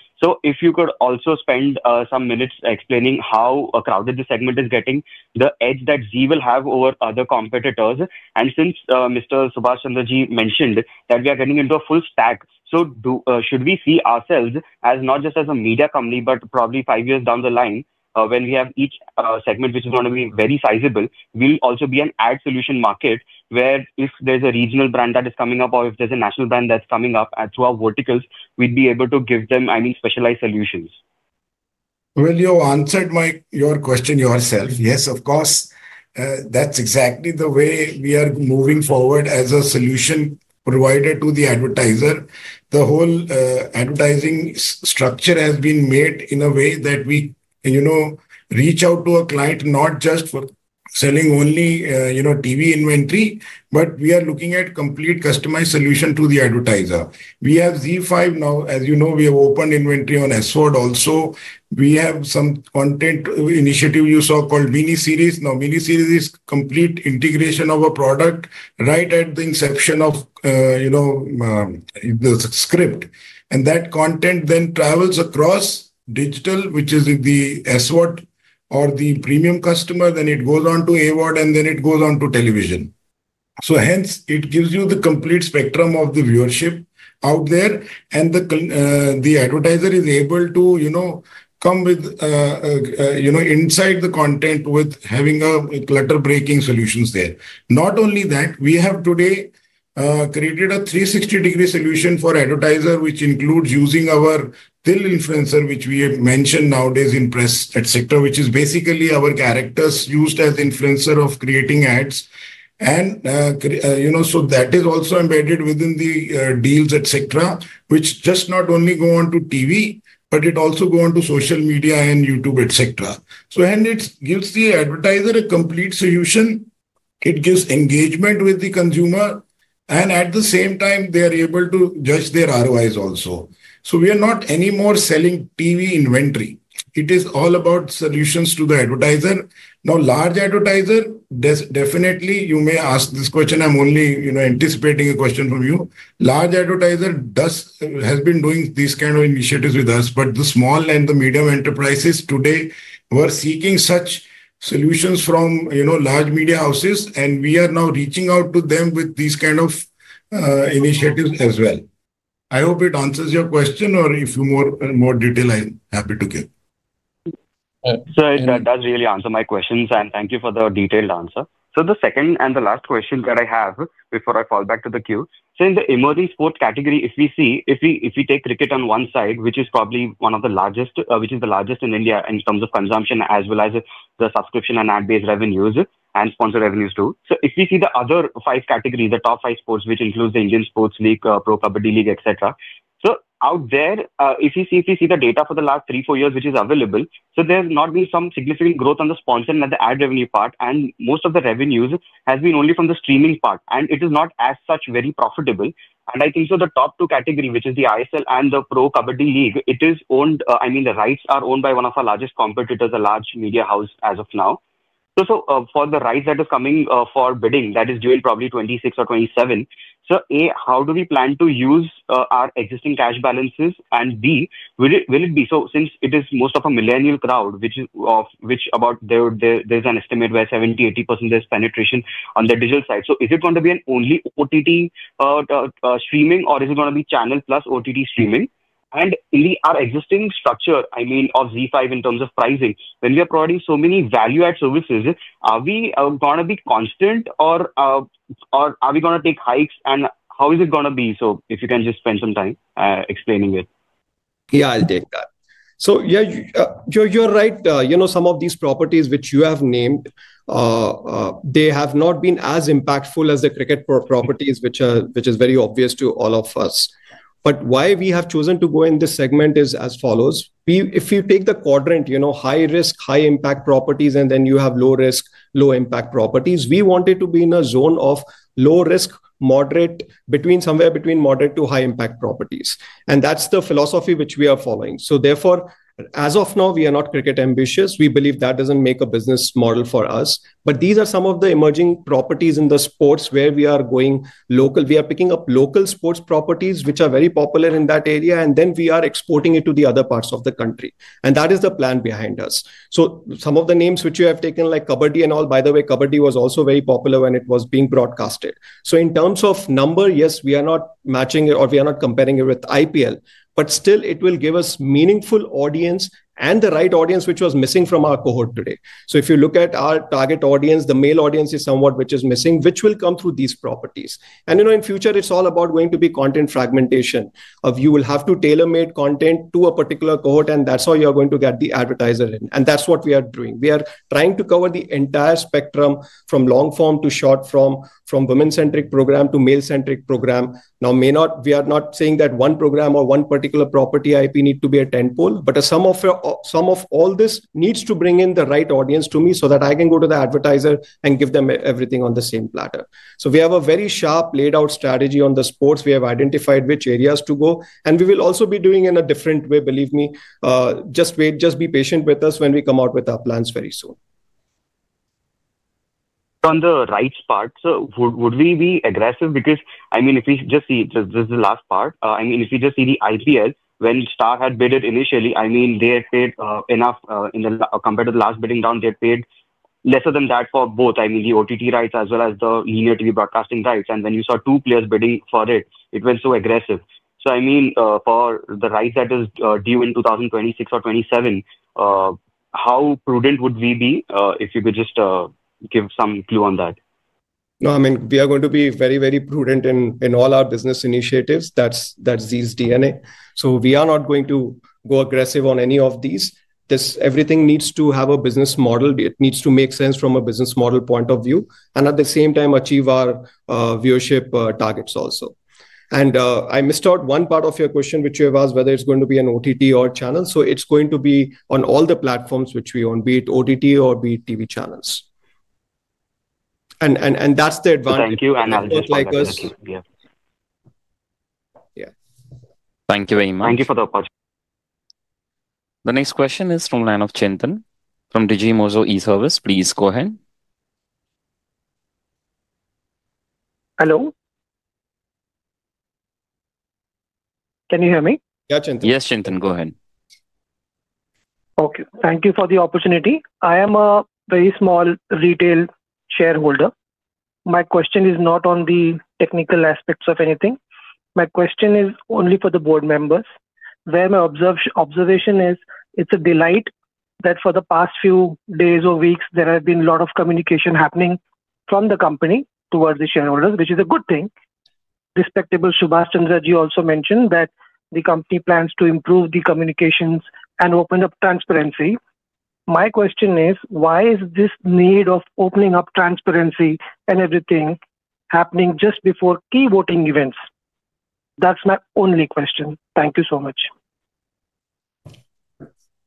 If you could also spend some minutes explaining how crowded the segment is getting, the edge that Zee will have over other competitors. Since Mr. Subhash Chandraji mentioned that we are getting into a full stack, should we see ourselves as not just as a media company, but probably five years down the line, when we have each segment which is going to be very sizable, we'll also be an ad solution market where if there's a regional brand that is coming up or if there's a national brand that's coming up through our verticals, we'd be able to give them, I mean, specialized solutions. You answered your question yourself. Yes, of course. That's exactly the way we are moving forward as a solution provider to the advertiser. The whole advertising structure has been made in a way that we reach out to a client not just for selling only TV inventory, but we are looking at complete customized solution to the advertiser. We have ZEE5 now. As you know, we have opened inventory on ZEE5 also. We have some content initiative you saw called Mini Series. Now, Mini Series is complete integration of a product right at the inception of the script. That content then travels across digital, which is the ZEE5 or the premium customer, then it goes on to AVOD, and then it goes on to television. Hence, it gives you the complete spectrum of the viewership out there, and the advertiser is able to come inside the content with having clutter-breaking solutions there. Not only that, we have today created a 360-degree solution for advertiser, which includes using our TIL influencer, which we have mentioned nowadays in press, etc., which is basically our characters used as influencer of creating ads. That is also embedded within the deals, etc., which just not only go on to TV, but it also goes on to social media and YouTube, etc. It gives the advertiser a complete solution. It gives engagement with the consumer, and at the same time, they are able to judge their ROIs also. We are not anymore selling TV inventory. It is all about solutions to the advertiser. Now, large advertiser, definitely, you may ask this question. I'm only anticipating a question from you. Large advertiser has been doing these kinds of initiatives with us, but the small and the medium enterprises today were seeking such solutions from large media houses, and we are now reaching out to them with these kinds of initiatives as well. I hope it answers your question, or if you have more detail, I'm happy to give. That does really answer my questions, and thank you for the detailed answer. The second and the last question that I have before I fall back to the queue. In the emerging sport category, if we take cricket on one side, which is probably one of the largest, which is the largest in India in terms of consumption, as well as the subscription and ad-based revenues and sponsor revenues too. If we see the other five categories, the top five sports, which includes the Indian Sports League, Pro Kabaddi League, etc., out there, if you see the data for the last three or four years, which is available, there has not been some significant growth on the sponsor and the ad revenue part, and most of the revenues have been only from the streaming part, and it is not as such very profitable. I think the top two categories, which is the ISL and the Pro Kabaddi League, it is owned, I mean, the rights are owned by one of our largest competitors, a large media house as of now. For the rights that are coming for bidding, that is due in probably 2026 or 2027. A, how do we plan to use our existing cash balances? B, will it be? Since it is most of a millennial crowd, which about there's an estimate where 70-80% is penetration on the digital side. Is it going to be an only OTT streaming, or is it going to be channel plus OTT streaming? In our existing structure, I mean, of ZEE5 in terms of pricing, when we are providing so many value-add services, are we going to be constant, or are we going to take hikes, and how is it going to be? If you can just spend some time explaining it. Yeah, I'll take that. Yeah, you're right. Some of these properties which you have named, they have not been as impactful as the cricket properties, which is very obvious to all of us. Why we have chosen to go in this segment is as follows. If you take the quadrant, high-risk, high-impact properties, and then you have low-risk, low-impact properties, we wanted to be in a zone of low-risk, moderate, somewhere between moderate to high-impact properties. That's the philosophy which we are following. Therefore, as of now, we are not cricket ambitious. We believe that does not make a business model for us. These are some of the emerging properties in sports where we are going local. We are picking up local sports properties which are very popular in that area, and then we are exporting it to other parts of the country. That is the plan behind us. Some of the names which you have taken, like Kabaddi and all, by the way, Kabaddi was also very popular when it was being broadcasted. In terms of number, yes, we are not matching it, or we are not comparing it with IPL, but still, it will give us meaningful audience and the right audience which was missing from our cohort today. If you look at our target audience, the male audience is somewhat which is missing, which will come through these properties. In future, it's all about going to be content fragmentation. You will have to tailor-make content to a particular cohort, and that's how you're going to get the advertiser in. That's what we are doing. We are trying to cover the entire spectrum from long-form to short-form, from women-centric program to male-centric program. Now, we are not saying that one program or one particular property IP needs to be a tentpole, but some of all this needs to bring in the right audience to me so that I can go to the advertiser and give them everything on the same platter. We have a very sharp, laid-out strategy on the sports. We have identified which areas to go, and we will also be doing in a different way, believe me. Just be patient with us when we come out with our plans very soon. On the rights part, would we be aggressive? Because, I mean, if we just see this is the last part. I mean, if you just see the IPL, when Star had bidded initially, I mean, they had paid enough compared to the last bidding round, they had paid lesser than that for both, I mean, the OTT rights as well as the linear TV broadcasting rights. When you saw two players bidding for it, it went so aggressive. For the rights that is due in 2026 or 2027, how prudent would we be if you could just give some clue on that? No, I mean, we are going to be very, very prudent in all our business initiatives. That is Zee's DNA. We are not going to go aggressive on any of these. Everything needs to have a business model. It needs to make sense from a business model point of view, and at the same time, achieve our viewership targets also. I missed out one part of your question, which you have asked whether it's going to be an OTT or channel. It's going to be on all the platforms which we own, be it OTT or be it TV channels. That's the advantage. Thank you. I'll just wrap up here. Thank you very much. Thank you for the opportunity. The next question is from Chintan from DigiMozo eServices. Please go ahead. Hello? Can you hear me? Yeah, Chintan. Yes, Chintan, go ahead. Okay. Thank you for the opportunity. I am a very small retail shareholder. My question is not on the technical aspects of anything. My question is only for the board members. Where my observation is, it's a delight that for the past few days or weeks, there have been a lot of communication happening from the company towards the shareholders, which is a good thing. Respectable Subhash Chandraji also mentioned that the company plans to improve the communications and open up transparency. My question is, why is this need of opening up transparency and everything happening just before key voting events? That's my only question. Thank you so much.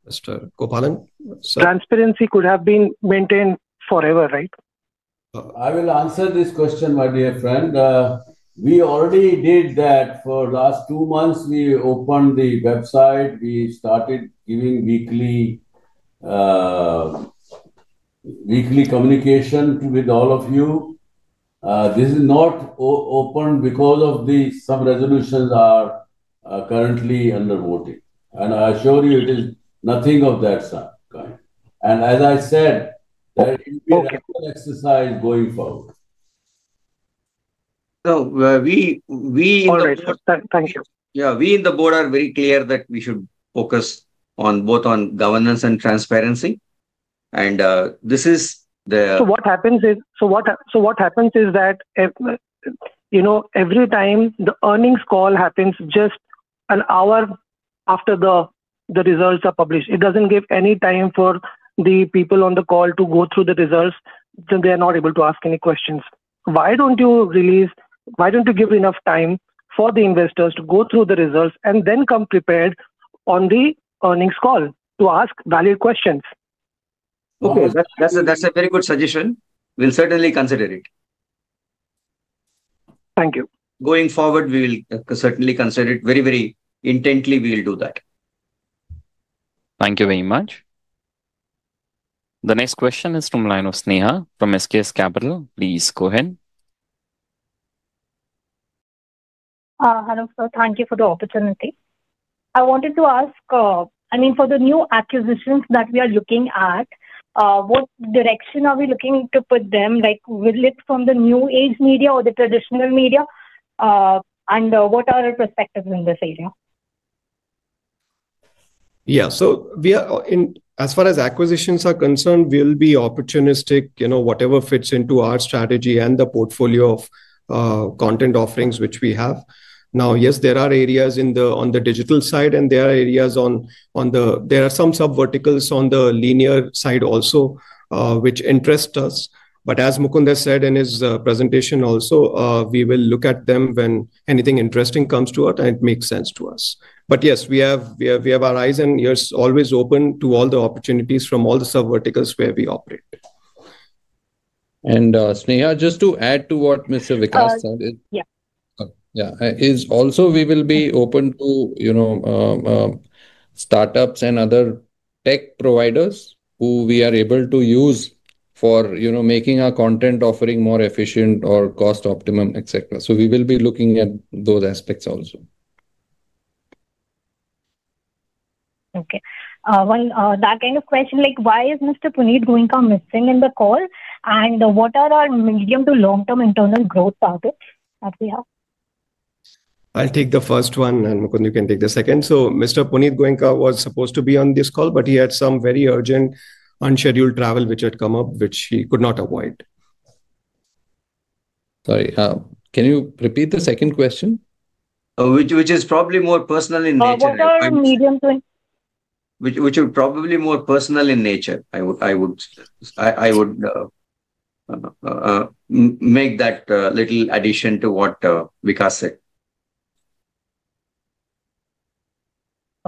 Mr. Gopalan. Transparency could have been maintained forever, right? I will answer this question, my dear friend. We already did that. For the last two months, we opened the website. We started giving weekly communication with all of you. This is not open because some resolutions are currently under voting. I assure you, it is nothing of that kind. As I said, there will be an exercise going forward. All right. Thank you. Yeah we in the board are very clear that we should focus both on governance and transparency. This is the. What happens is that every time the earnings call happens just an hour after the results are published, it does not give any time for the people on the call to go through the results. They are not able to ask any questions. Why do you not release? Why do you not give enough time for the investors to go through the results and then come prepared on the earnings call to ask valid questions? Okay. That is a very good suggestion. We will certainly consider it. Thank you. Going forward, we will certainly consider it. Very, very intently, we will do that. Thank you very much. The next question is from Sneha from SKS Capital. Please go ahead. Hello, sir. Thank you for the opportunity. I wanted to ask, I mean, for the new acquisitions that we are looking at, what direction are we looking to put them? Will it be from the new age media or the traditional media? What are our perspectives in this area? Yeah. As far as acquisitions are concerned, we'll be opportunistic, whatever fits into our strategy and the portfolio of content offerings which we have. Now, yes, there are areas on the digital side, and there are some sub-verticals on the linear side also which interest us. As Mukund has said in his presentation also, we will look at them when anything interesting comes to us and it makes sense to us. Yes, we have our eyes and ears always open to all the opportunities from all the sub-verticals where we operate. Sneha, just to add to what Mr. Vikas said. Yeah. Yeah. Also, we will be open to startups and other tech providers who we are able to use for making our content offering more efficient or cost-optimum, etc. We will be looking at those aspects also. Okay. That kind of question, like why is Mr. Punit Goenka missing in the call? And what are our medium to long-term internal growth targets that we have? I'll take the first one, and Mukund, you can take the second. Mr. Punit Goenka was supposed to be on this call, but he had some very urgent unscheduled travel which had come up, which he could not avoid. Sorry. Can you repeat the second question? Which is probably more personal in nature. What are our medium to? Which are probably more personal in nature. I would make that little addition to what Vikas said.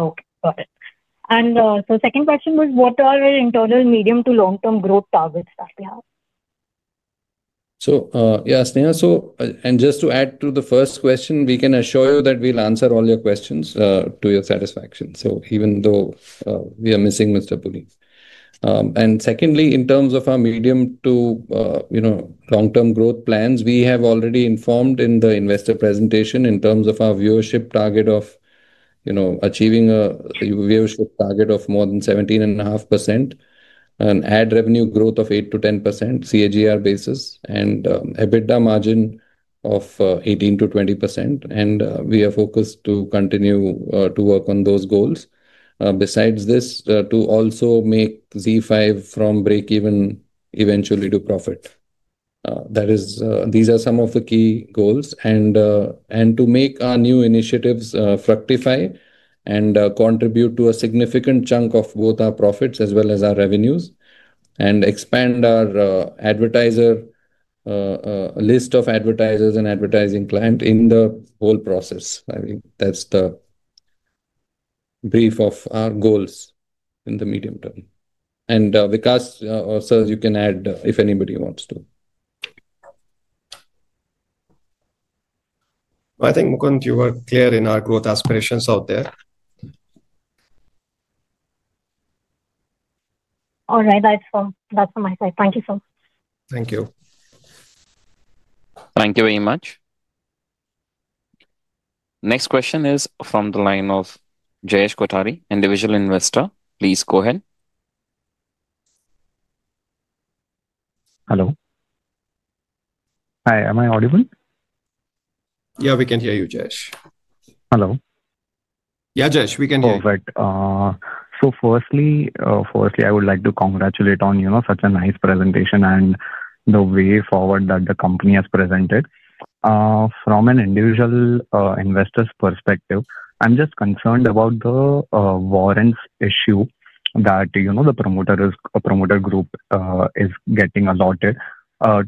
Okay. Got it. Second question was, what are our internal medium to long-term growth targets that we have? Yeah, Sneha. Just to add to the first question, we can assure you that we will answer all your questions to your satisfaction, even though we are missing Mr. Punit. Secondly, in terms of our medium to long-term growth plans, we have already informed in the investor presentation in terms of our viewership target of achieving a viewership target of more than 17.5%, an ad revenue growth of 8-10% CAGR basis, and EBITDA margin of 18-20%. We are focused to continue to work on those goals. Besides this, to also make ZEE5 from breakeven eventually to profit. These are some of the key goals. To make our new initiatives fructify and contribute to a significant chunk of both our profits as well as our revenues, and expand our advertiser list of advertisers and advertising clients in the whole process. I mean, that is the brief of our goals in the medium term. Vikas, sir, you can add if anybody wants to. I think, Mukund, you were clear in our growth aspirations out there. All right. That is from my side. Thank you so much. Thank you. Thank you very much. Next question is from the line of Jayesh Kothari, individual investor. Please go ahead. Hello. Hi. Am I audible? Yeah, we can hear you, Jayesh. Hello. Yeah, Jayesh, we can hear you. All right. So firstly, I would like to congratulate on such a nice presentation and the way forward that the company has presented. From an individual investor's perspective, I'm just concerned about the warrants issue that the promoter group is getting allotted.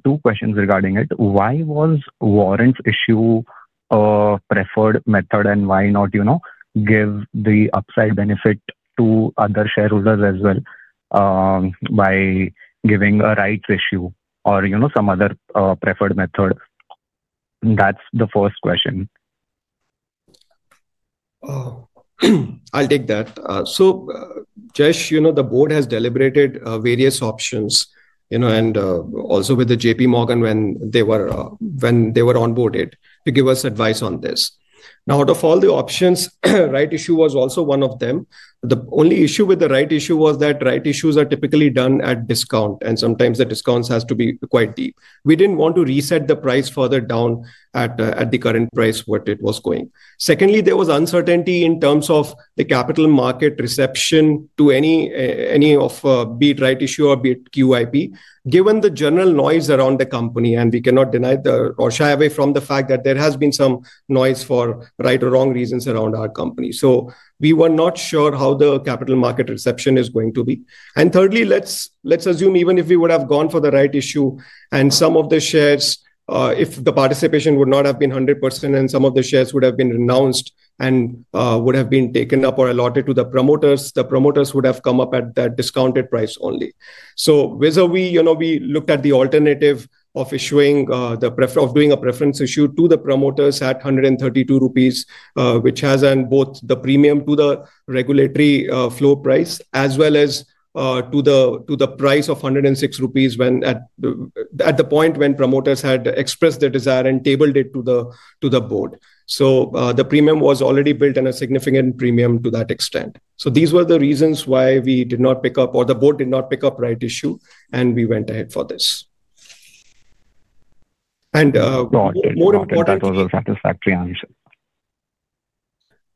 Two questions regarding it. Why was warrants issue a preferred method, and why not give the upside benefit to other shareholders as well by giving a rights issue or some other preferred method? That's the first question. I'll take that. So Jayesh, the board has deliberated various options, and also with JPMorgan when they were onboarded to give us advice on this. Now, out of all the options, rights issue was also one of them. The only issue with the rights issue was that rights issues are typically done at discount, and sometimes the discounts have to be quite deep. We didn't want to reset the price further down at the current price what it was going. Secondly, there was uncertainty in terms of the capital market reception to any of, be it rights issue or be it QIP. Given the general noise around the company, and we cannot deny or shy away from the fact that there has been some noise for right or wrong reasons around our company. We were not sure how the capital market reception is going to be. Thirdly, let's assume even if we would have gone for the rights issue and some of the shares, if the participation would not have been 100% and some of the shares would have been renounced and would have been taken up or allotted to the promoters, the promoters would have come up at that discounted price only. Whether we looked at the alternative of doing a preference issue to the promoters at 132 rupees, which has both the premium to the regulatory floor price as well as to the price of 106 rupees at the point when promoters had expressed their desire and tabled it to the board, the premium was already built and a significant premium to that extent. These were the reasons why we did not pick up, or the board did not pick up, rights issue, and we went ahead for this. More important, that was a satisfactory answer.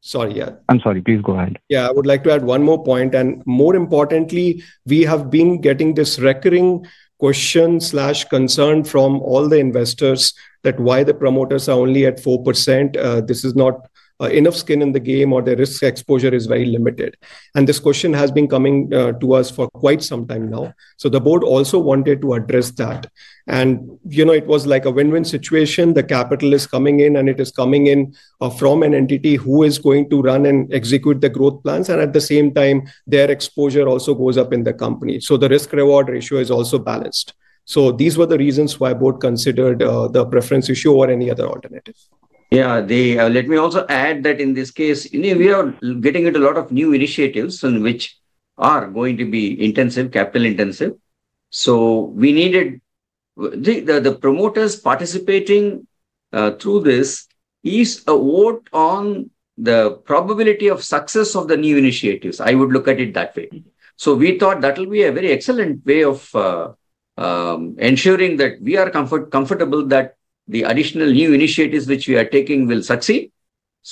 Sorry, yeah. I'm sorry. Please go ahead. Yeah, I would like to add one more point. More importantly, we have been getting this recurring question or concern from all the investors that why the promoters are only at 4%. This is not enough skin in the game, or their risk exposure is very limited. This question has been coming to us for quite some time now. The board also wanted to address that. It was like a win-win situation. The capital is coming in, and it is coming in from an entity who is going to run and execute the growth plans. At the same time, their exposure also goes up in the company. The risk-reward ratio is also balanced. These were the reasons why the board considered the preference issue or any other alternative. Yeah. Let me also add that in this case, we are getting into a lot of new initiatives which are going to be capital-intensive. We needed the promoters participating through this as a vote on the probability of success of the new initiatives. I would look at it that way. We thought that will be a very excellent way of ensuring that we are comfortable that the additional new initiatives which we are taking will succeed.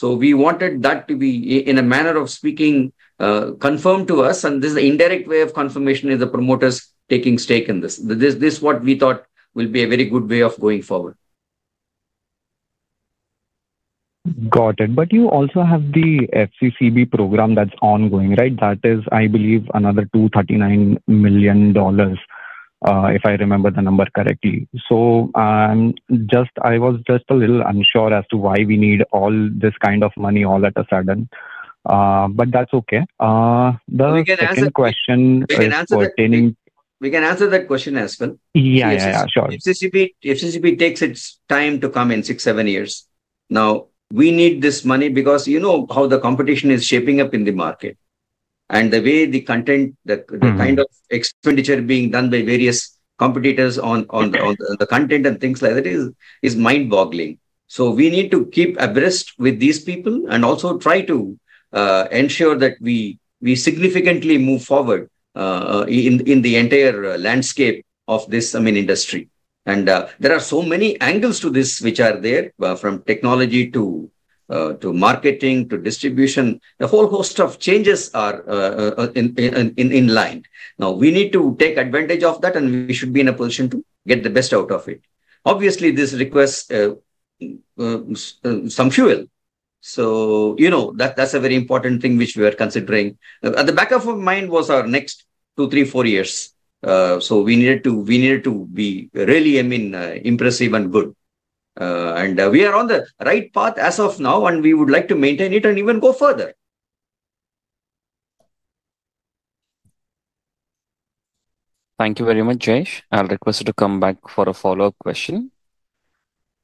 We wanted that to be, in a manner of speaking, confirmed to us. This is an indirect way of confirmation in the promoters taking stake in this. This is what we thought will be a very good way of going forward. Got it. You also have the FCCB program that's ongoing, right? That is, I believe, another $239 million, if I remember the number correctly. I was just a little unsure as to why we need all this kind of money all at a sudden. That's okay. The second question is pertaining. We can answer that question as well. Yeah, yeah, yeah. Sure. FCCB takes its time to come in six, seven years. Now, we need this money because you know how the competition is shaping up in the market. The way the content, the kind of expenditure being done by various competitors on the content and things like that is mind-boggling. We need to keep abreast with these people and also try to ensure that we significantly move forward in the entire landscape of this, I mean, industry. There are so many angles to this which are there from technology to marketing to distribution. A whole host of changes are in line. We need to take advantage of that, and we should be in a position to get the best out of it. Obviously, this requests some fuel. That is a very important thing which we are considering. At the back of our mind was our next two, three, four years. We needed to be really, I mean, impressive and good. We are on the right path as of now, and we would like to maintain it and even go further. Thank you very much, Jayesh. I'll request you to come back for a follow-up question.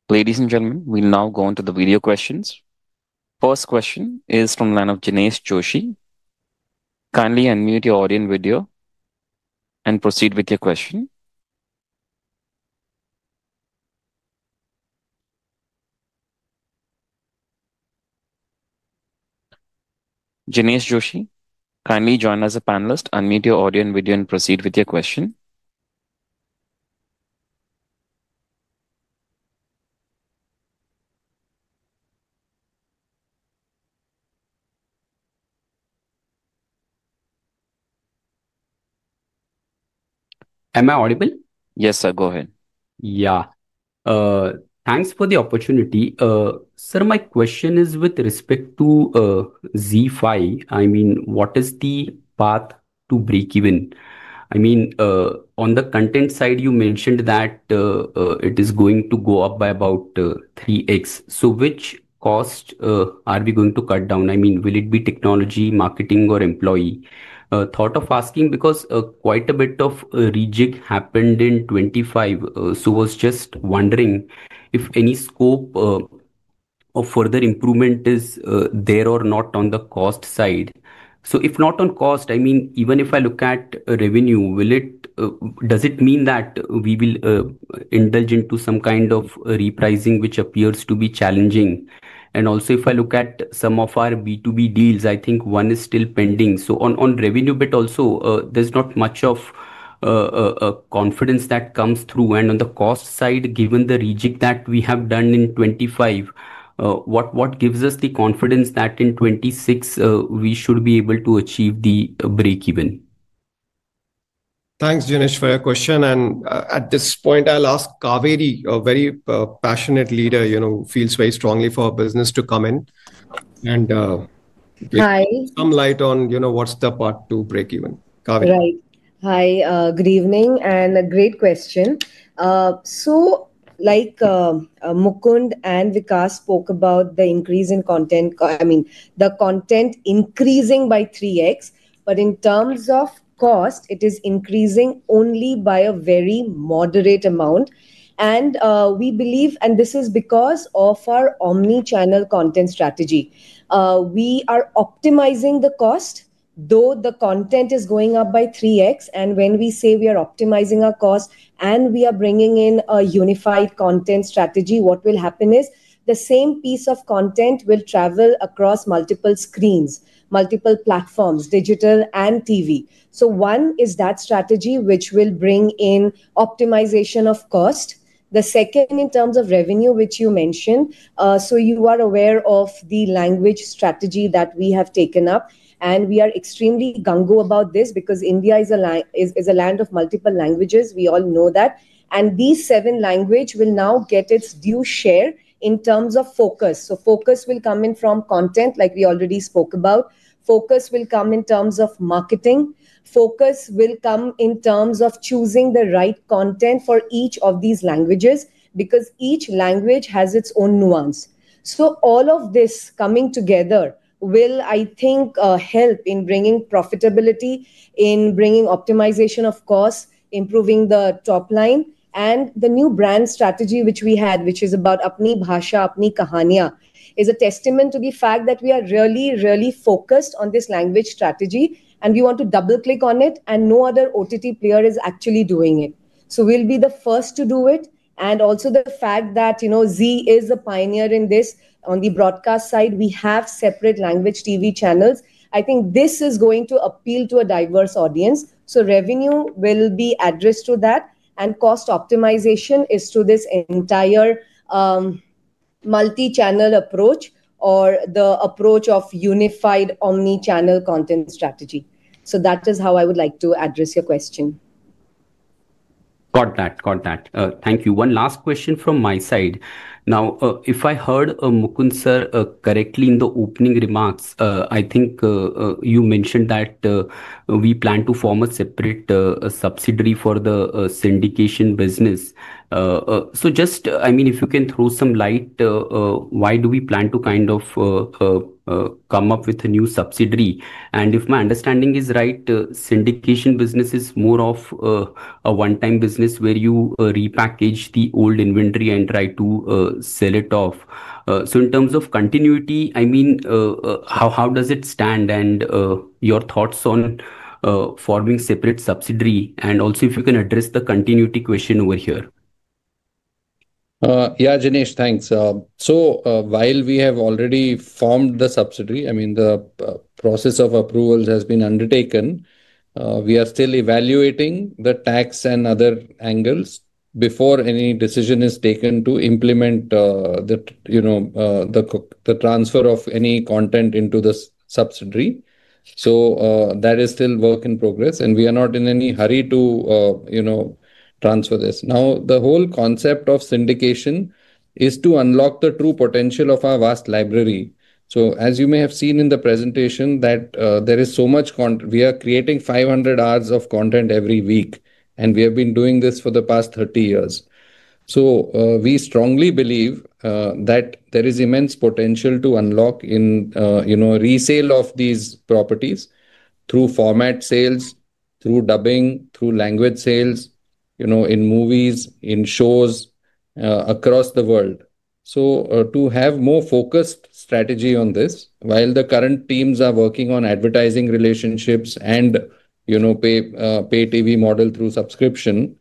Ladies and gentlemen, we'll now go into the video questions. First question is from the line of Jinesh Joshi. Kindly unmute your audio and video and proceed with your question. Jinesh Joshi, kindly join as a panelist. Unmute your audio and video and proceed with your question. Am I audible? Yes, sir. Go ahead. Yeah. Thanks for the opportunity. Sir, my question is with respect to ZEE5. I mean, what is the path to breakeven? I mean, on the content side, you mentioned that it is going to go up by about 3x. Which cost are we going to cut down? I mean, will it be technology, marketing, or employee? Thought of asking because quite a bit of rejig happened in 2025. I was just wondering if any scope of further improvement is there or not on the cost side. If not on cost, I mean, even if I look at revenue, does it mean that we will indulge into some kind of repricing which appears to be challenging? Also, if I look at some of our B2B deals, I think one is still pending. On revenue bit also, there is not much of confidence that comes through. On the cost side, given the rejig that we have done in 2025, what gives us the confidence that in 2026 we should be able to achieve the breakeven? Thanks, Jinesh, for your question. At this point, I'll ask Kaveri, a very passionate leader who feels very strongly for our business, to come in and give some light on what's the path to breakeven. Kaveri. Right. Hi. Good evening and a great question. Mukund and Vikas spoke about the increase in content. I mean, the content increasing by 3x, but in terms of cost, it is increasing only by a very moderate amount. We believe, and this is because of our omnichannel content strategy. We are optimizing the cost, though the content is going up by 3x. When we say we are optimizing our cost and we are bringing in a unified content strategy, what will happen is the same piece of content will travel across multiple screens, multiple platforms, digital and TV. One is that strategy which will bring in optimization of cost. The second, in terms of revenue, which you mentioned. You are aware of the language strategy that we have taken up. We are extremely gung-ho about this because India is a land of multiple languages. We all know that. These seven languages will now get its due share in terms of focus. Focus will come in from content, like we already spoke about. Focus will come in terms of marketing. Focus will come in terms of choosing the right content for each of these languages because each language has its own nuance. All of this coming together will, I think, help in bringing profitability, in bringing optimization of cost, improving the top line. The new brand strategy which we had, which is about Apni Bhasha Apni Kahaniya, is a testament to the fact that we are really, really focused on this language strategy. We want to double-click on it, and no other OTT player is actually doing it. We will be the first to do it. Also, the fact that Zee is a pioneer in this. On the broadcast side, we have separate language TV channels. I think this is going to appeal to a diverse audience. Revenue will be addressed to that. Cost optimization is to this entire multi-channel approach or the approach of unified omnichannel content strategy. That is how I would like to address your question. Got that. Got that. Thank you. One last question from my side. Now, if I heard Mukund, sir, correctly in the opening remarks, I think you mentioned that we plan to form a separate subsidiary for the syndication business. Just, I mean, if you can throw some light, why do we plan to kind of come up with a new subsidiary? If my understanding is right, syndication business is more of a one-time business where you repackage the old inventory and try to sell it off. In terms of continuity, I mean, how does it stand? Your thoughts on forming a separate subsidiary? Also, if you can address the continuity question over here. Yeah, Jinesh, thanks. While we have already formed the subsidiary, I mean, the process of approvals has been undertaken. We are still evaluating the tax and other angles before any decision is taken to implement the transfer of any content into the subsidiary. That is still work in progress, and we are not in any hurry to transfer this. Now, the whole concept of syndication is to unlock the true potential of our vast library. As you may have seen in the presentation, there is so much content. We are creating 500 hours of content every week, and we have been doing this for the past 30 years. We strongly believe that there is immense potential to unlock in resale of these properties through format sales, through dubbing, through language sales in movies, in shows across the world. To have a more focused strategy on this, while the current teams are working on advertising relationships and pay-TV model through subscription,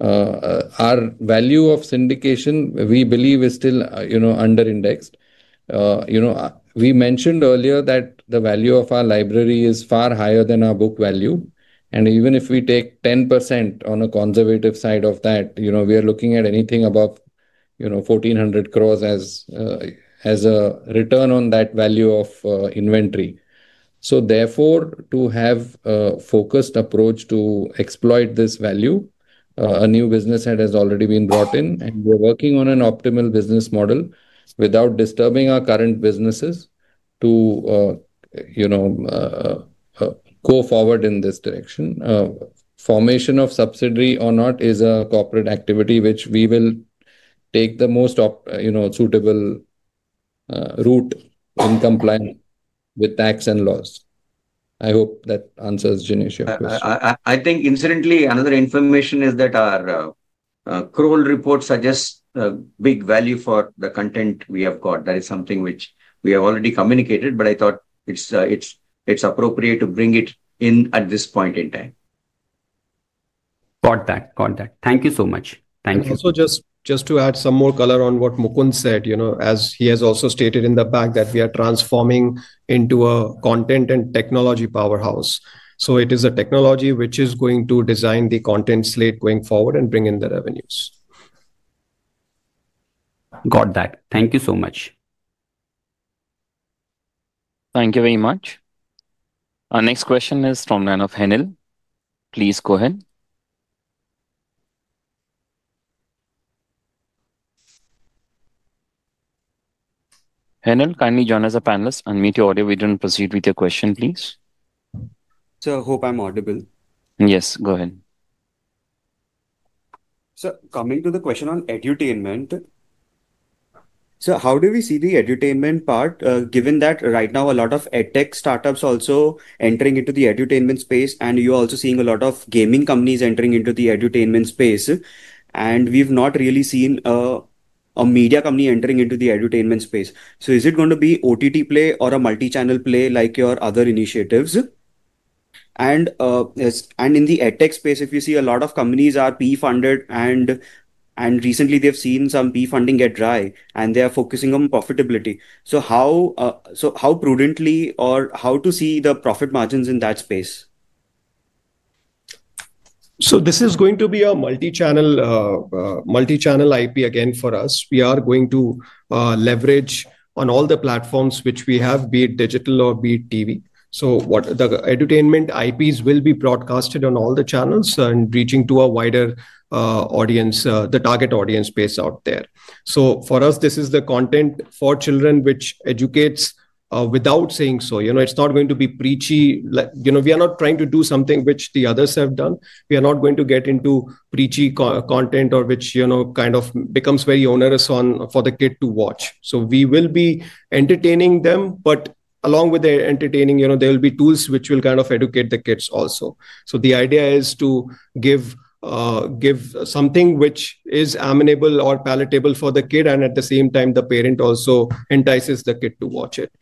our value of syndication, we believe, is still underindexed. We mentioned earlier that the value of our library is far higher than our book value. Even if we take 10% on a conservative side of that, we are looking at anything above 1,400 crore as a return on that value of inventory. Therefore, to have a focused approach to exploit this value, a new business head has already been brought in. We are working on an optimal business model without disturbing our current businesses to go forward in this direction. Formation of subsidiary or not is a corporate activity which we will take the most suitable route in compliance with tax and laws. I hope that answers Jinesh's question. I think, incidentally, another information is that our crawl report suggests big value for the content we have got. That is something which we have already communicated, but I thought it's appropriate to bring it in at this point in time. Got that. Got that. Thank you so much. Thank you. Also, just to add some more color on what Mukund said, as he has also stated in the back that we are transforming into a content and technology powerhouse. It is a technology which is going to design the content slate going forward and bring in the revenues. Got that. Thank you so much. Thank you very much. Our next question is from the line of Henil. Please go ahead. Henil, kindly join as a panelist. Unmute your audio and proceed with your question, please. Sir, I hope I'm audible. Yes, go ahead. Sir, coming to the question on edutainment, sir, how do we see the edutainment part given that right now a lot of edtech startups are also entering into the edutainment space? You are also seeing a lot of gaming companies entering into the edutainment space. We have not really seen a media company entering into the edutainment space. Is it going to be OTT play or a multi-channel play like your other initiatives? In the edtech space, if you see, a lot of companies are PE funded, and recently they have seen some PE funding get dry, and they are focusing on profitability. How prudently or how to see the profit margins in that space? This is going to be a multi-channel IP again for us. We are going to leverage on all the platforms which we have, be it digital or be it TV. The edutainment IPs will be broadcasted on all the channels and reaching to a wider audience, the target audience base out there. For us, this is the content for children which educates without saying so. It's not going to be preachy. We are not trying to do something which the others have done. We are not going to get into preachy content or which kind of becomes very onerous for the kid to watch. We will be entertaining them, but along with their entertaining, there will be tools which will kind of educate the kids also. The idea is to give something which is amenable or palatable for the kid, and at the same time, the parent also entices the kid to watch it.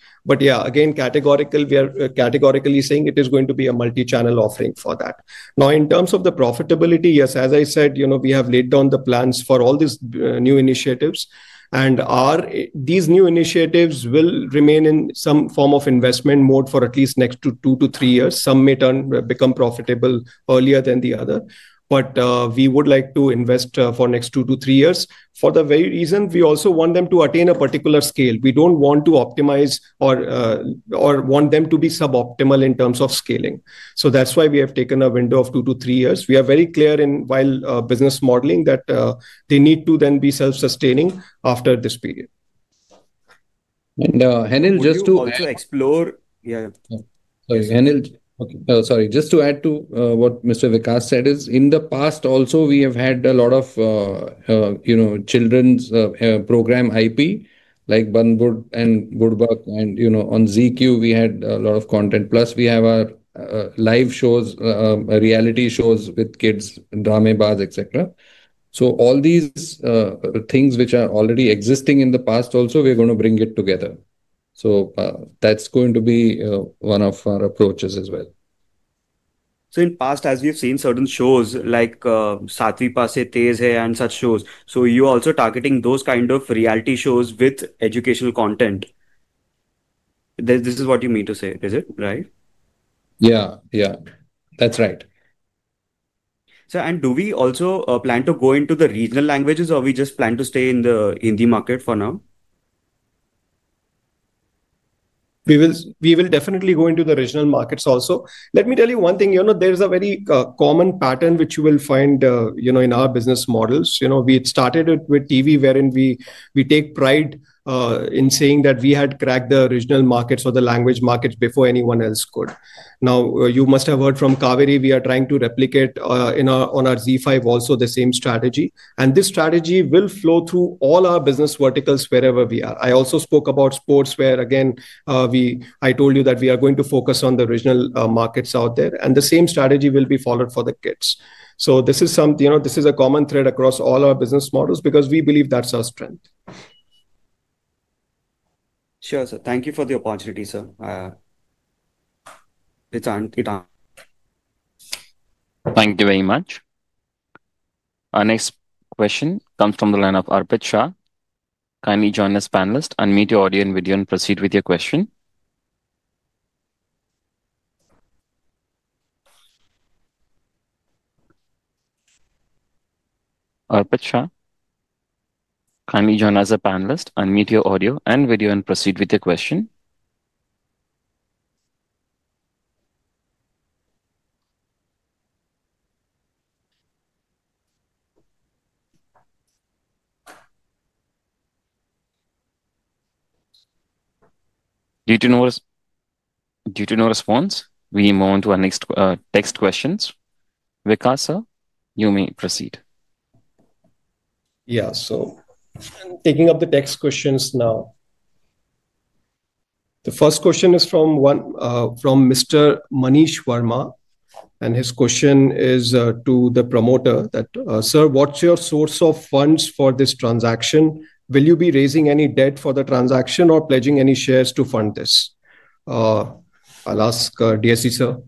Yeah, again, categorically, we are categorically saying it is going to be a multi-channel offering for that. Now, in terms of the profitability, yes, as I said, we have laid down the plans for all these new initiatives. These new initiatives will remain in some form of investment mode for at least the next two to three years. Some may become profitable earlier than the other. We would like to invest for the next two to three years for the very reason we also want them to attain a particular scale. We do not want to optimize or want them to be suboptimal in terms of scaling. That is why we have taken a window of two to three years. We are very clear in business modeling that they need to then be self-sustaining after this period. Henil, just to explore. Yeah. Sorry, Henil. Sorry. Just to add to what Mr. Vikas said is in the past, also, we have had a lot of children's program IP like Bunbud and Budbak. And on ZQ, we had a lot of content. Plus, we have our live shows, reality shows with kids, drama bars, etc. All these things which are already existing in the past, also, we are going to bring it together. That is going to be one of our approaches as well. In the past, as we've seen certain shows like Satvipa Seh Tezhe and such shows, you are also targeting those kind of reality shows with educational content. This is what you mean to say, is it right? Yeah. Yeah. That's right. Sir, and do we also plan to go into the regional languages, or we just plan to stay in the Hindi market for now? We will definitely go into the regional markets also. Let me tell you one thing. There is a very common pattern which you will find in our business models. We started it with TV, wherein we take pride in saying that we had cracked the regional markets or the language markets before anyone else could. Now, you must have heard from Kaveri. We are trying to replicate on our ZEE5 also the same strategy. This strategy will flow through all our business verticals wherever we are. I also spoke about sports where, again, I told you that we are going to focus on the regional markets out there. The same strategy will be followed for the kids. This is a common thread across all our business models because we believe that's our strength. Sure, sir. Thank you for the opportunity, sir. It's on. Thank you very much. Our next question comes from the line of Arpit Shah. Kindly join as panelist and unmute your audio and video and proceed with your question. Arpit Shah, kindly join as a panelist and unmute your audio and video and proceed with your question. Due to no response, we move on to our next text questions. Vikas, sir, you may proceed. Yeah. Taking up the text questions now. The first question is from Mr. Manish Verma. His question is to the promoter, "Sir, what's your source of funds for this transaction? Will you be raising any debt for the transaction or pledging any shares to fund this?" I'll ask DSC, sir.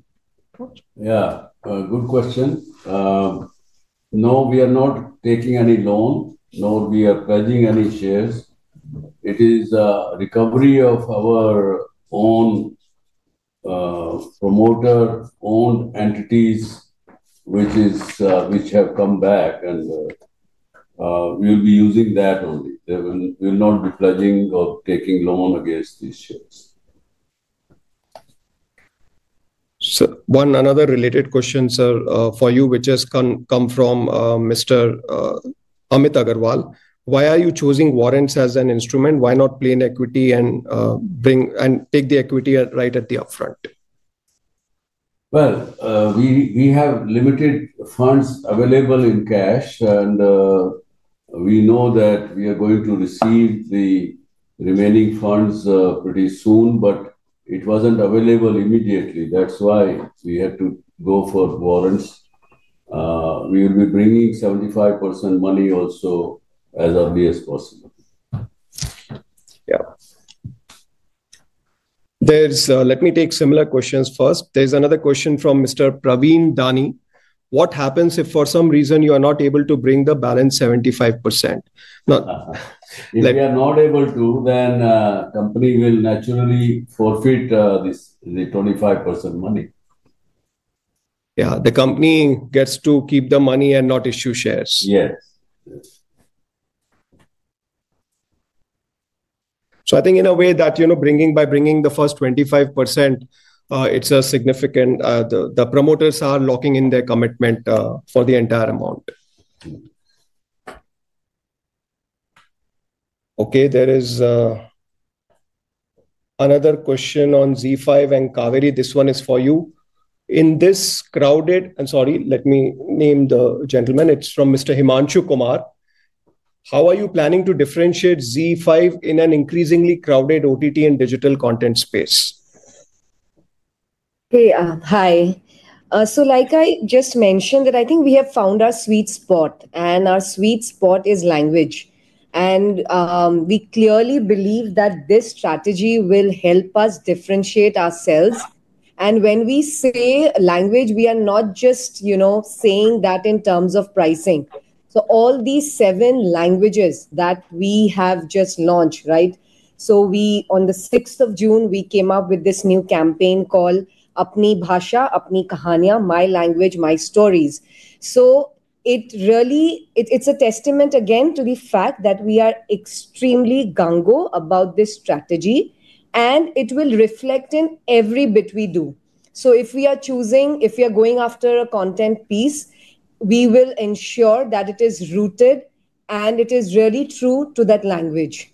Yeah. Good question. No, we are not taking any loan, nor are we pledging any shares. It is a recovery of our own promoter-owned entities which have come back, and we'll be using that only. We will not be pledging or taking loan against these shares. Another related question, sir, for you, which has come from Mr. Amit Agarwal. Why are you choosing warrants as an instrument? Why not play in equity and take the equity right at the upfront? We have limited funds available in cash, and we know that we are going to receive the remaining funds pretty soon, but it was not available immediately. That is why we had to go for warrants. We will be bringing 75% money also as early as possible. Yeah. Let me take similar questions first. There is another question from Mr. Praveen Dani. What happens if for some reason you are not able to bring the balance 75%? If we are not able to, then the company will naturally forfeit the 25% money. Yeah. The company gets to keep the money and not issue shares. Yes. I think in a way that by bringing the first 25%, it's significant the promoters are locking in their commitment for the entire amount. There is another question on ZEE5 and Kaveri, this one is for you. In this crowded—and sorry, let me name the gentleman. It's from Mr. Himanshu Kumar. How are you planning to differentiate ZEE5 in an increasingly crowded OTT and digital content space? Hi. Like I just mentioned, I think we have found our sweet spot. Our sweet spot is language. We clearly believe that this strategy will help us differentiate ourselves. When we say language, we are not just saying that in terms of pricing. All these seven languages that we have just launched, right? On the 6th of June, we came up with this new campaign called Apni Bhasha Apni Kahaniya: My Language, My Stories. It is a testament again to the fact that we are extremely gung-ho about this strategy. It will reflect in every bit we do. If we are choosing, if we are going after a content piece, we will ensure that it is rooted and it is really true to that language.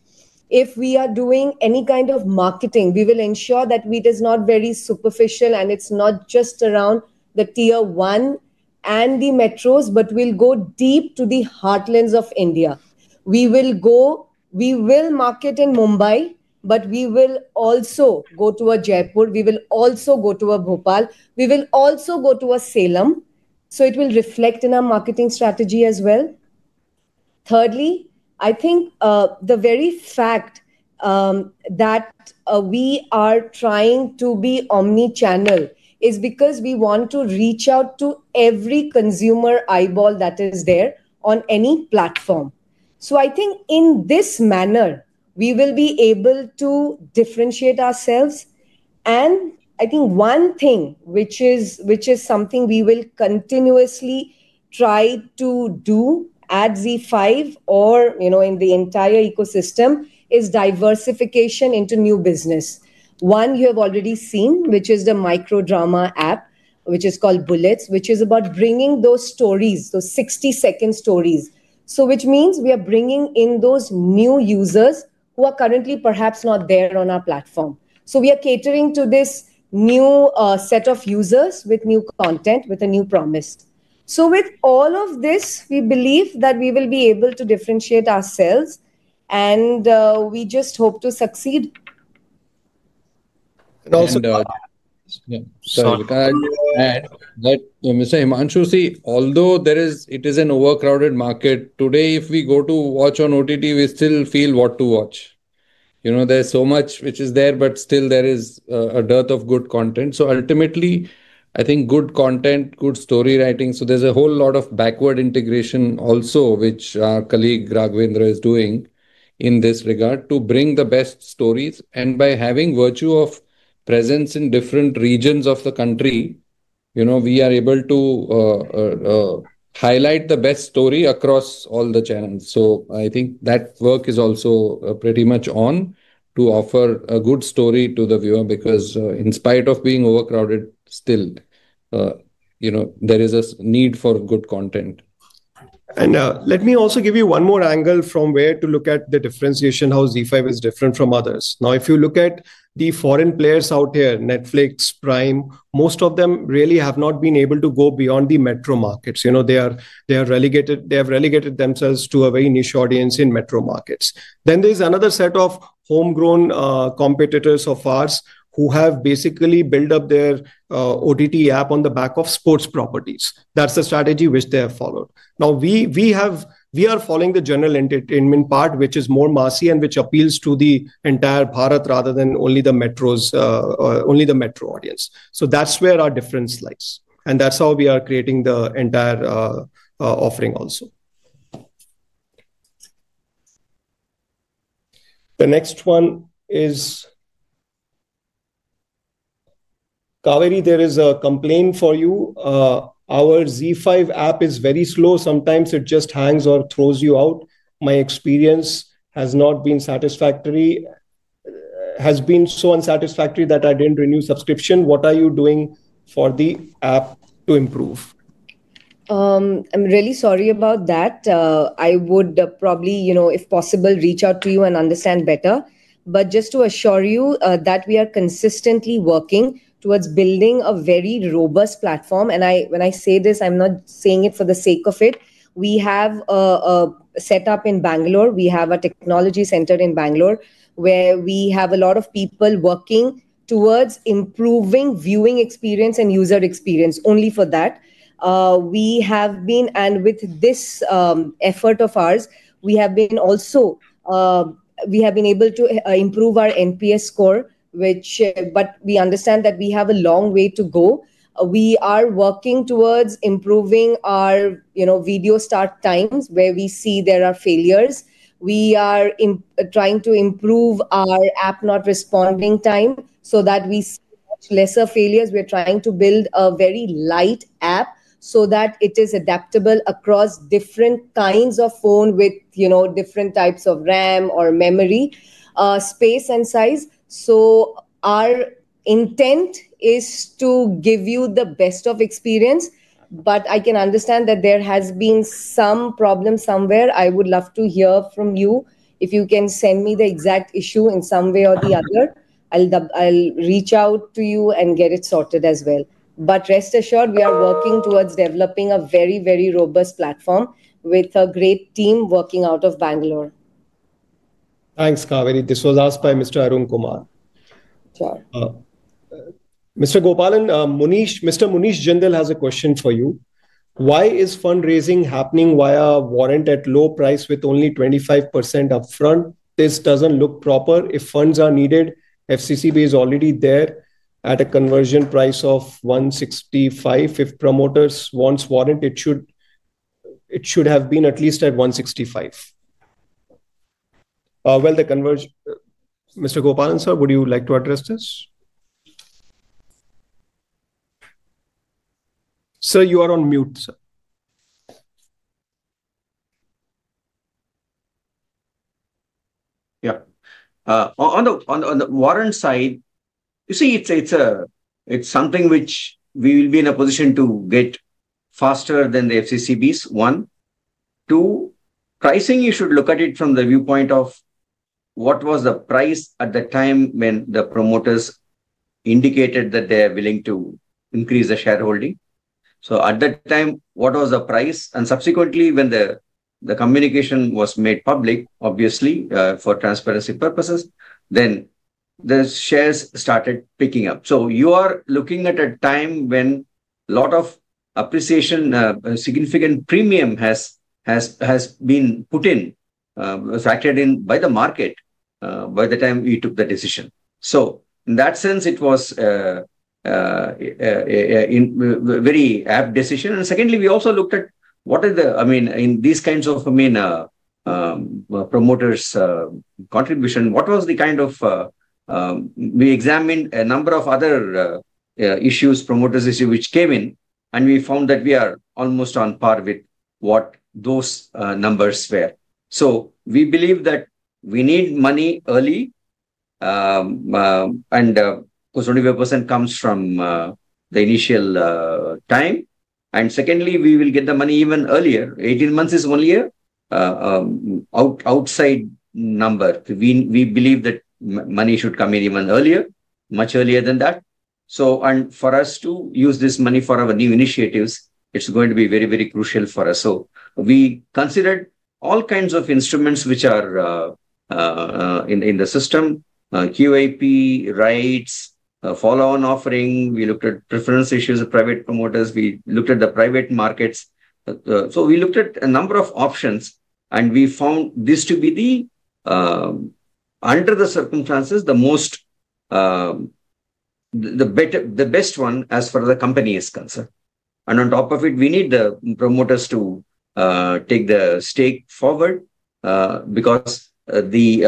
If we are doing any kind of marketing, we will ensure that it is not very superficial and it is not just around the Tier 1 and the metros, but we will go deep to the heartlands of India. We will market in Mumbai, but we will also go to Jaipur. We will also go to Bhopal. We will also go to Salem. It will reflect in our marketing strategy as well. Thirdly, I think the very fact that we are trying to be omnichannel is because we want to reach out to every consumer eyeball that is there on any platform. I think in this manner, we will be able to differentiate ourselves. I think one thing which is something we will continuously try to do at ZEE5 or in the entire ecosystem is diversification into new business. One you have already seen, which is the micro drama app, which is called Bullet, which is about bringing those stories, those 60-second stories. Which means we are bringing in those new users who are currently perhaps not there on our platform. We are catering to this new set of users with new content, with a new promise. With all of this, we believe that we will be able to differentiate ourselves. We just hope to succeed. Also, Mr. Himanshu, see, although it is an overcrowded market, today, if we go to watch on OTT, we still feel what to watch. There is so much which is there, but still there is a dearth of good content. Ultimately, I think good content, good story writing—there is a whole lot of backward integration also, which our colleague Raghavendra is doing in this regard to bring the best stories. By having virtue of presence in different regions of the country, we are able to highlight the best story across all the channels. I think that work is also pretty much on to offer a good story to the viewer because in spite of being overcrowded, still there is a need for good content. Let me also give you one more angle from where to look at the differentiation, how ZEE5 is different from others. Now, if you look at the foreign players out here, Netflix, Prime, most of them really have not been able to go beyond the metro markets. They have relegated themselves to a very niche audience in metro markets. There is another set of homegrown competitors of ours who have basically built up their OTT app on the back of sports properties. That is the strategy which they have followed. We are following the general entertainment part, which is more massive and which appeals to the entire Bharat rather than only the metro audience. That is where our difference lies. That is how we are creating the entire offering also. The next one is Kaveri, there is a complaint for you. Our ZEE5 app is very slow. Sometimes it just hangs or throws you out. My experience has not been satisfactory. It has been so unsatisfactory that I did not renew subscription. What are you doing for the app to improve? I'm really sorry about that. I would probably, if possible, reach out to you and understand better. Just to assure you that we are consistently working towards building a very robust platform. When I say this, I'm not saying it for the sake of it. We have a setup in Bangalore. We have a technology center in Bangalore where we have a lot of people working towards improving viewing experience and user experience only for that. With this effort of ours, we have also been able to improve our NPS score. We understand that we have a long way to go. We are working towards improving our video start times where we see there are failures. We are trying to improve our app not responding time so that we see fewer failures. We're trying to build a very light app so that it is adaptable across different kinds of phone with different types of RAM or memory space and size. Our intent is to give you the best of experience. I can understand that there has been some problem somewhere. I would love to hear from you if you can send me the exact issue in some way or the other. I'll reach out to you and get it sorted as well. Rest assured, we are working towards developing a very, very robust platform with a great team working out of Bangalore. Thanks, Kaveri. This was asked by Mr. Arun Kumar. Mr. Gopal and Mr. Manish Jindal have a question for you. Why is fundraising happening via warrant at low price with only 25% upfront? This doesn't look proper. If funds are needed, FCCB is already there at a conversion price of 165. If promoters want warrant, it should have been at least at 165. Mr. Gopalan, sir, would you like to address this? Sir, you are on mute, sir. Yeah. On the warrant side, you see, it's something which we will be in a position to get faster than the FCCBs, one. Two, pricing, you should look at it from the viewpoint of what was the price at the time when the promoters indicated that they are willing to increase the shareholding. At that time, what was the price? And subsequently, when the communication was made public, obviously, for transparency purposes, then the shares started picking up. You are looking at a time when a lot of appreciation, significant premium has been put in, factored in by the market by the time we took the decision. In that sense, it was a very apt decision. Secondly, we also looked at what are the, I mean, in these kinds of, I mean, promoters' contribution, what was the kind of, we examined a number of other issues, promoters' issues which came in, and we found that we are almost on par with what those numbers were. We believe that we need money early, and 25% comes from the initial time. Secondly, we will get the money even earlier. Eighteen months is only an outside number. We believe that money should come in even earlier, much earlier than that. For us to use this money for our new initiatives, it's going to be very, very crucial for us. We considered all kinds of instruments which are in the system: QIP, rights, follow-on offering. We looked at preference issues of private promoters. We looked at the private markets. We looked at a number of options, and we found this to be, under the circumstances, the best one as far as the company is concerned. On top of it, we need the promoters to take the stake forward because this,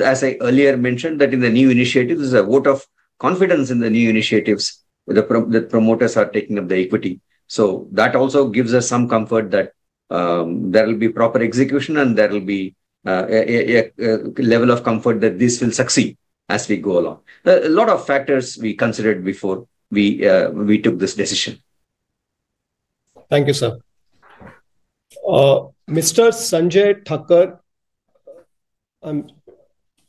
as I earlier mentioned, in the new initiatives, there's a vote of confidence in the new initiatives that promoters are taking up the equity. That also gives us some comfort that there will be proper execution and there will be a level of comfort that this will succeed as we go along. A lot of factors we considered before we took this decision. Thank you, sir. Mr. Sanjay Thakkar,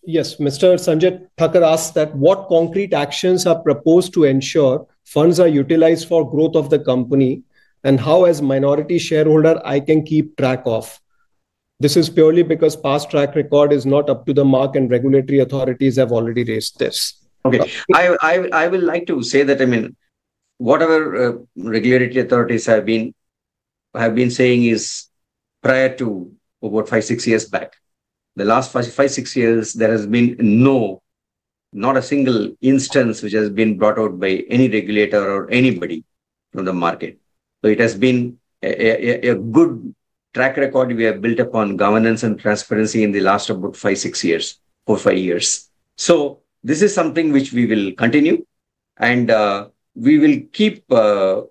yes, Mr. Sanjay Thakkar asked that what concrete actions are proposed to ensure funds are utilized for growth of the company and how, as a minority shareholder, I can keep track of. This is purely because past track record is not up to the mark and regulatory authorities have already raised this. Okay. I would like to say that, I mean, whatever regulatory authorities have been saying is prior to about five, six years back. The last five, six years, there has been not a single instance which has been brought out by any regulator or anybody from the market. It has been a good track record. We have built upon governance and transparency in the last about five, six years, four, five years. This is something which we will continue. We will keep the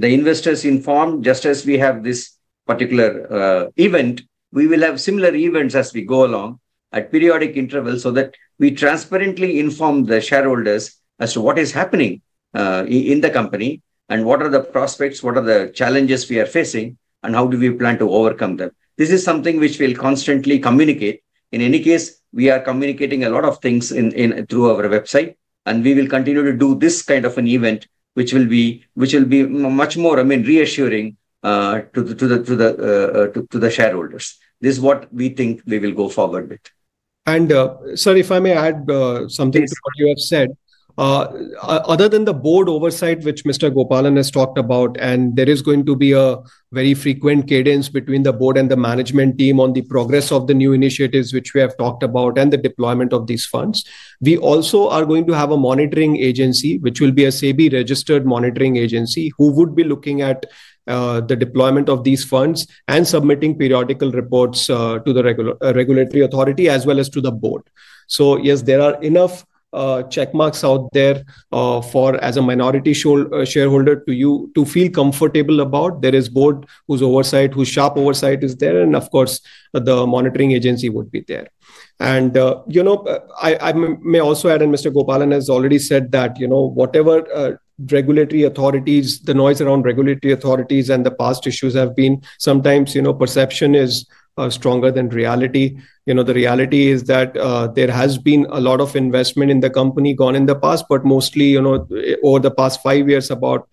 investors informed. Just as we have this particular event, we will have similar events as we go along at periodic intervals so that we transparently inform the shareholders as to what is happening in the company and what are the prospects, what are the challenges we are facing, and how do we plan to overcome them. This is something which we will constantly communicate. In any case, we are communicating a lot of things through our website. We will continue to do this kind of an event which will be much more, I mean, reassuring to the shareholders. This is what we think we will go forward with. Sir, if I may add something to what you have said, other than the board oversight which Mr. Gopal and I have talked about, and there is going to be a very frequent cadence between the board and the management team on the progress of the new initiatives which we have talked about and the deployment of these funds. We also are going to have a monitoring agency which will be a SEBI-registered monitoring agency who would be looking at the deployment of these funds and submitting periodical reports to the regulatory authority as well as to the board. Yes, there are enough checkmarks out there as a minority shareholder to feel comfortable about. There is board whose oversight, whose sharp oversight is there. Of course, the monitoring agency would be there. I may also add, and Mr. Gopal and I have already said that whatever regulatory authorities, the noise around regulatory authorities and the past issues have been, sometimes perception is stronger than reality. The reality is that there has been a lot of investment in the company gone in the past, but mostly over the past five years, about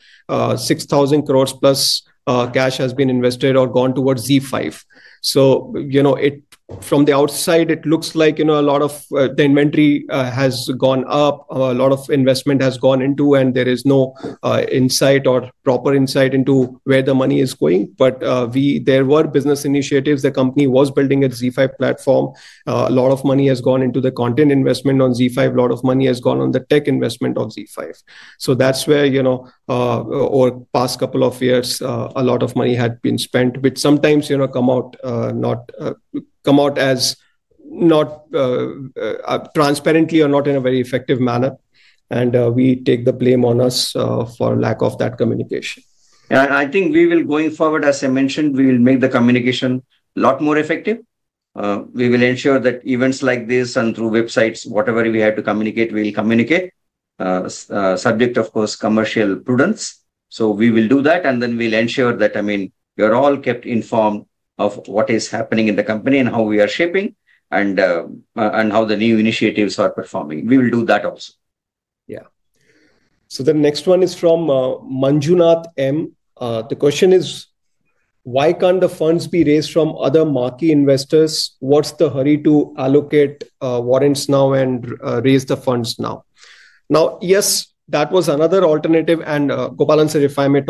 6,000 crore plus cash has been invested or gone towards ZEE5. From the outside, it looks like a lot of the inventory has gone up, a lot of investment has gone into, and there is no insight or proper insight into where the money is going. There were business initiatives. The company was building a ZEE5 platform. A lot of money has gone into the content investment on ZEE5. A lot of money has gone on the tech investment of ZEE5. That is where, over the past couple of years, a lot of money had been spent. Sometimes it comes out as not transparently or not in a very effective manner. We take the blame on us for lack of that communication. I think we will, going forward, as I mentioned, we will make the communication a lot more effective. We will ensure that events like this and through websites, whatever we have to communicate, we will communicate, subject, of course, to commercial prudence. We will do that. We will ensure that you are all kept informed of what is happening in the company and how we are shaping and how the new initiatives are performing. We will do that also. Yeah. The next one is from Manjunath M. The question is, why cannot the funds be raised from other marquee investors? What is the hurry to allocate warrants now and raise the funds now? Yes, that was another alternative. Gopalan sir, if I may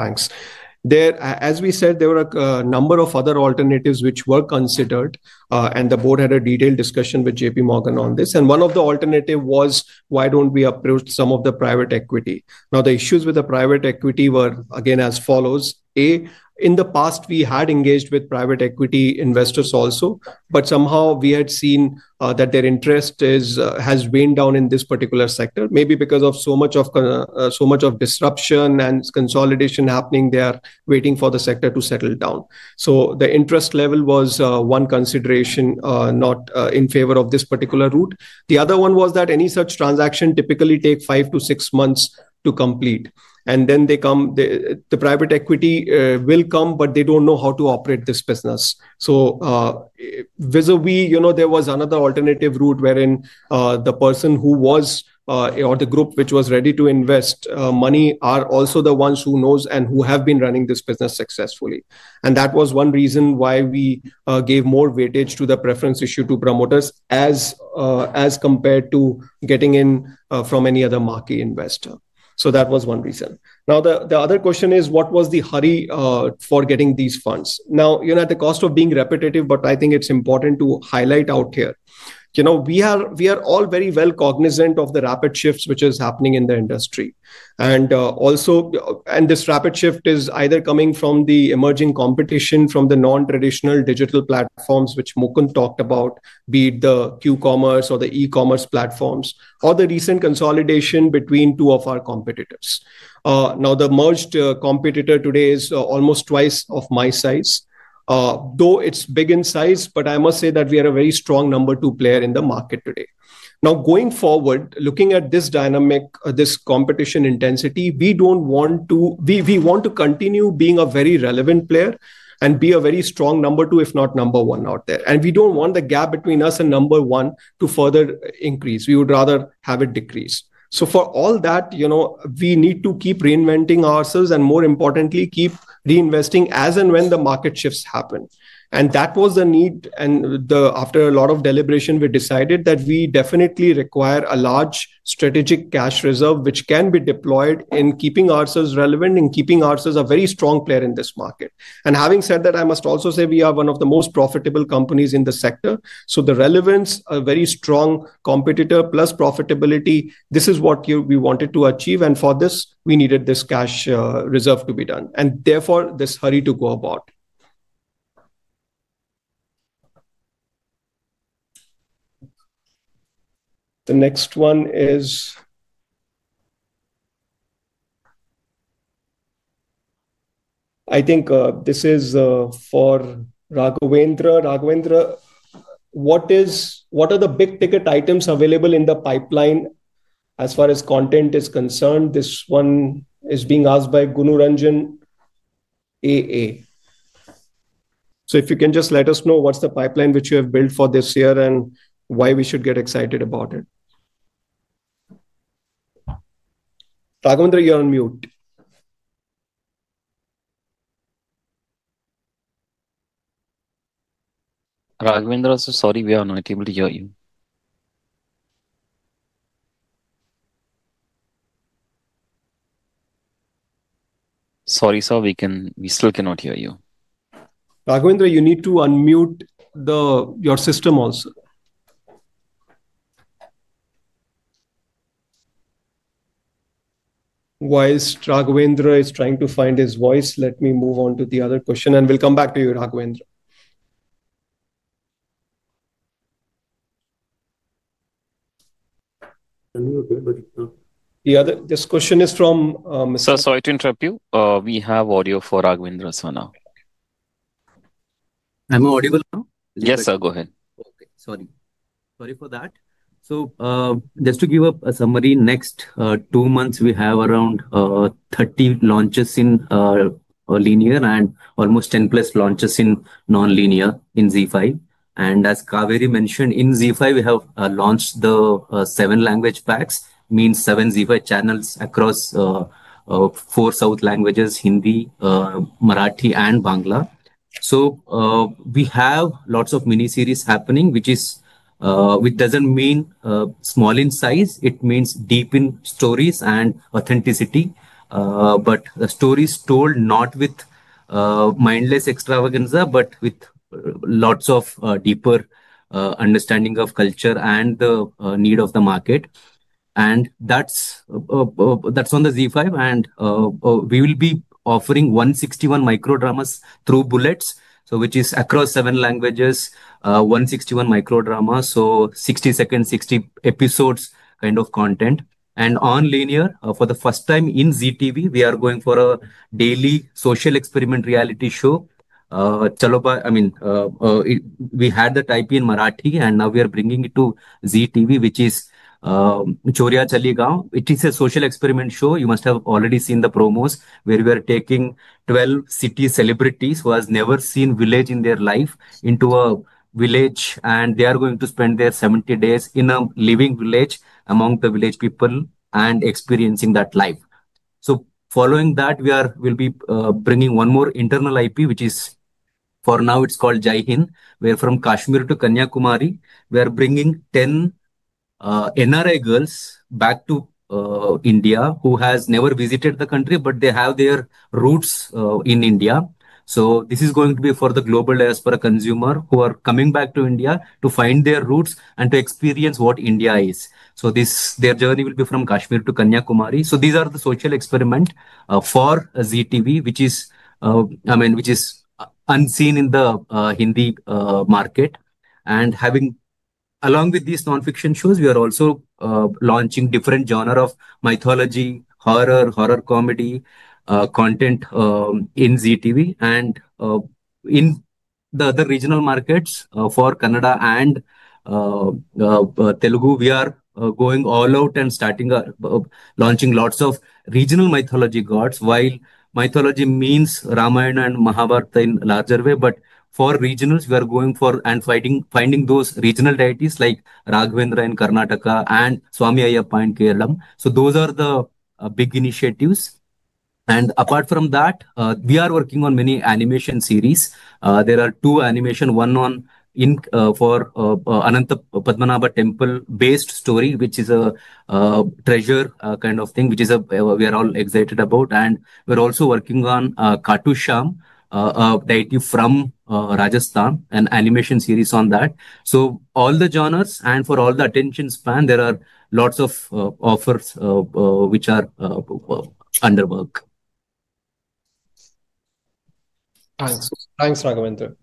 talk on. Please go ahead. I'll supplement you once you finish. Thanks. As we said, there were a number of other alternatives which were considered. The board had a detailed discussion with JPMorgan on this. One of the alternatives was, why don't we approach some of the private equity? Now, the issues with the private equity were, again, as follows. A, in the past, we had engaged with private equity investors also. Somehow, we had seen that their interest has waned down in this particular sector, maybe because of so much of disruption and consolidation happening there, waiting for the sector to settle down. The interest level was one consideration not in favor of this particular route. The other one was that any such transaction typically takes five to six months to complete. The private equity will come, but they don't know how to operate this business. Vis-à-vis, there was another alternative route wherein the person who was or the group which was ready to invest money are also the ones who know and who have been running this business successfully. That was one reason why we gave more weightage to the preference issue to promoters as compared to getting in from any other marquee investor. That was one reason. Now, the other question is, what was the hurry for getting these funds? At the cost of being repetitive, but I think it is important to highlight out here. We are all very well cognizant of the rapid shifts which are happening in the industry. This rapid shift is either coming from the emerging competition from the non-traditional digital platforms which Mukund talked about, be it the QCommerce or the e-commerce platforms, or the recent consolidation between two of our competitors. Now, the merged competitor today is almost twice my size. Though it's big in size, I must say that we are a very strong number two player in the market today. Now, going forward, looking at this dynamic, this competition intensity, we want to continue being a very relevant player and be a very strong number two, if not number one out there. We do not want the gap between us and number one to further increase. We would rather have it decrease. For all that, we need to keep reinventing ourselves and, more importantly, keep reinvesting as and when the market shifts happen. That was the need. After a lot of deliberation, we decided that we definitely require a large strategic cash reserve which can be deployed in keeping ourselves relevant and keeping ourselves a very strong player in this market. Having said that, I must also say we are one of the most profitable companies in the sector. The relevance, a very strong competitor plus profitability, this is what we wanted to achieve. For this, we needed this cash reserve to be done. Therefore, this hurry to go about. The next one is, I think this is for Raghavendra. Raghavendra, what are the big ticket items available in the pipeline as far as content is concerned? This one is being asked by Gunuranjan AA. If you can just let us know what's the pipeline which you have built for this year and why we should get excited about it. Raghavendra, you're on mute. Raghavendra, sir, sorry, we are not able to hear you. Sorry, sir, we still cannot hear you. Raghavendra, you need to unmute your system also. While Raghavendra is trying to find his voice, let me move on to the other question. We'll come back to you, Raghavendra. This question is from. Sir, sorry to interrupt you. We have audio for Raghavendra Sir now. I'm audible now? Yes, sir, go ahead. Okay. Sorry. Sorry for that. Just to give a summary, next two months, we have around 30 launches in linear and almost 10 plus launches in non-linear in ZEE5. As Kaveri mentioned, in ZEE5, we have launched the seven language packs, meaning seven ZEE5 channels across four south languages, Hindi, Marathi, and Bangla. We have lots of miniseries happening, which doesn't mean small in size. It means deep in stories and authenticity. The stories are told not with mindless extravaganza, but with lots of deeper understanding of culture and the need of the market. That's on the ZEE5. We will be offering 161 microdramas through Bullet, which is across seven languages, 161 microdramas, so 60-second, 60-episode kind of content. On linear, for the first time on Zee TV, we are going for a daily social experiment reality show. I mean, we had the typing in Marathi, and now we are bringing it to Zee TV, which is Chhori Gali Gang. It is a social experiment show. You must have already seen the promos where we are taking 12 city celebrities who have never seen a village in their life into a village. They are going to spend their 70 days in a living village among the village people and experiencing that life. Following that, we will be bringing one more internal IP, which is for now, it's called Jai Hind, where from Kashmir to Kanyakumari, we are bringing 10 NRI girls back to India who have never visited the country, but they have their roots in India. This is going to be for the global diaspora consumer who are coming back to India to find their roots and to experience what India is. Their journey will be from Kashmir to Kanyakumari. These are the social experiment for Zee TV, which is, I mean, which is unseen in the Hindi market. Along with these non-fiction shows, we are also launching different genres of mythology, horror, horror comedy content in Zee TV. In the other regional markets for Kannada and Telugu, we are going all out and launching lots of regional mythology gods. While mythology means Ramayana and Mahabharata in a larger way, for regionals, we are going for and finding those regional deities like Raghavendra in Karnataka and Swami Ayyappa in Kerala. Those are the big initiatives. Apart from that, we are working on many animation series. There are two animations, one for Ananta Padmanabha Temple-based story, which is a treasure kind of thing, which we are all excited about. We are also working on Katu Shyam, a deity from Rajasthan, an animation series on that. All the genres and for all the attention span, there are lots of offers which are under work. Thanks, Raghavendra.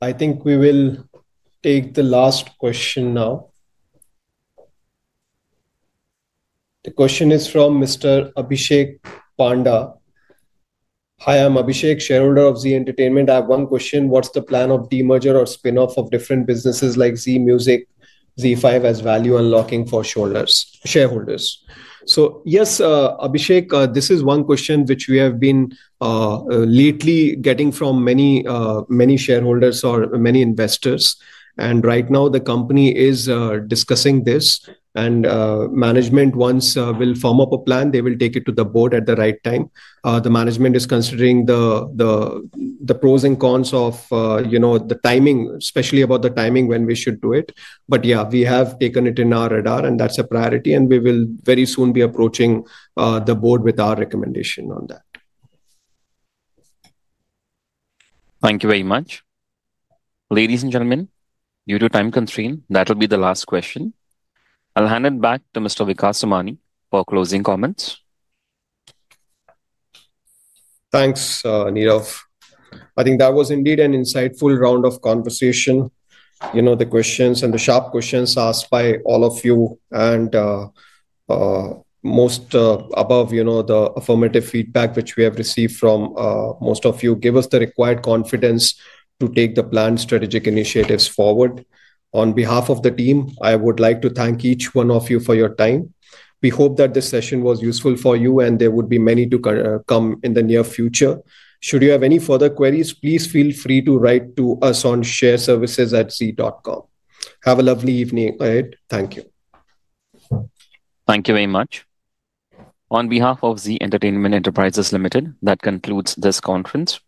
I think we will take the last question now. The question is from Mr. Abhishek Panda. Hi, I'm Abhishek, shareholder of Zee Entertainment. I have one question. What's the plan of demerger or spinoff of different businesses like Zee Music, ZEE5 as value unlocking for shareholders? Yes, Abhishek, this is one question which we have been lately getting from many shareholders or many investors. Right now, the company is discussing this. Management, once we'll form up a plan, will take it to the board at the right time. The management is considering the pros and cons of the timing, especially about the timing when we should do it. We have taken it in our radar, and that's a priority. We will very soon be approaching the board with our recommendation on that. Thank you very much. Ladies and gentlemen, due to time constraint, that will be the last question. I'll hand it back to Mr. Vikas Somani for closing comments. Thanks, Nirav. I think that was indeed an insightful round of conversation. The questions and the sharp questions asked by all of you and most above, the affirmative feedback which we have received from most of you gave us the required confidence to take the planned strategic initiatives forward. On behalf of the team, I would like to thank each one of you for your time. We hope that this session was useful for you, and there would be many to come in the near future. Should you have any further queries, please feel free to write to us on shareservices@zee.com. Have a lovely evening. Thank you. Thank you very much. On behalf of Zee Entertainment Enterprises Limited, that concludes this conference.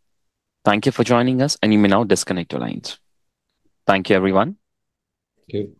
Thank you for joining us, and you may now disconnect your lines. Thank you, everyone. Thank you.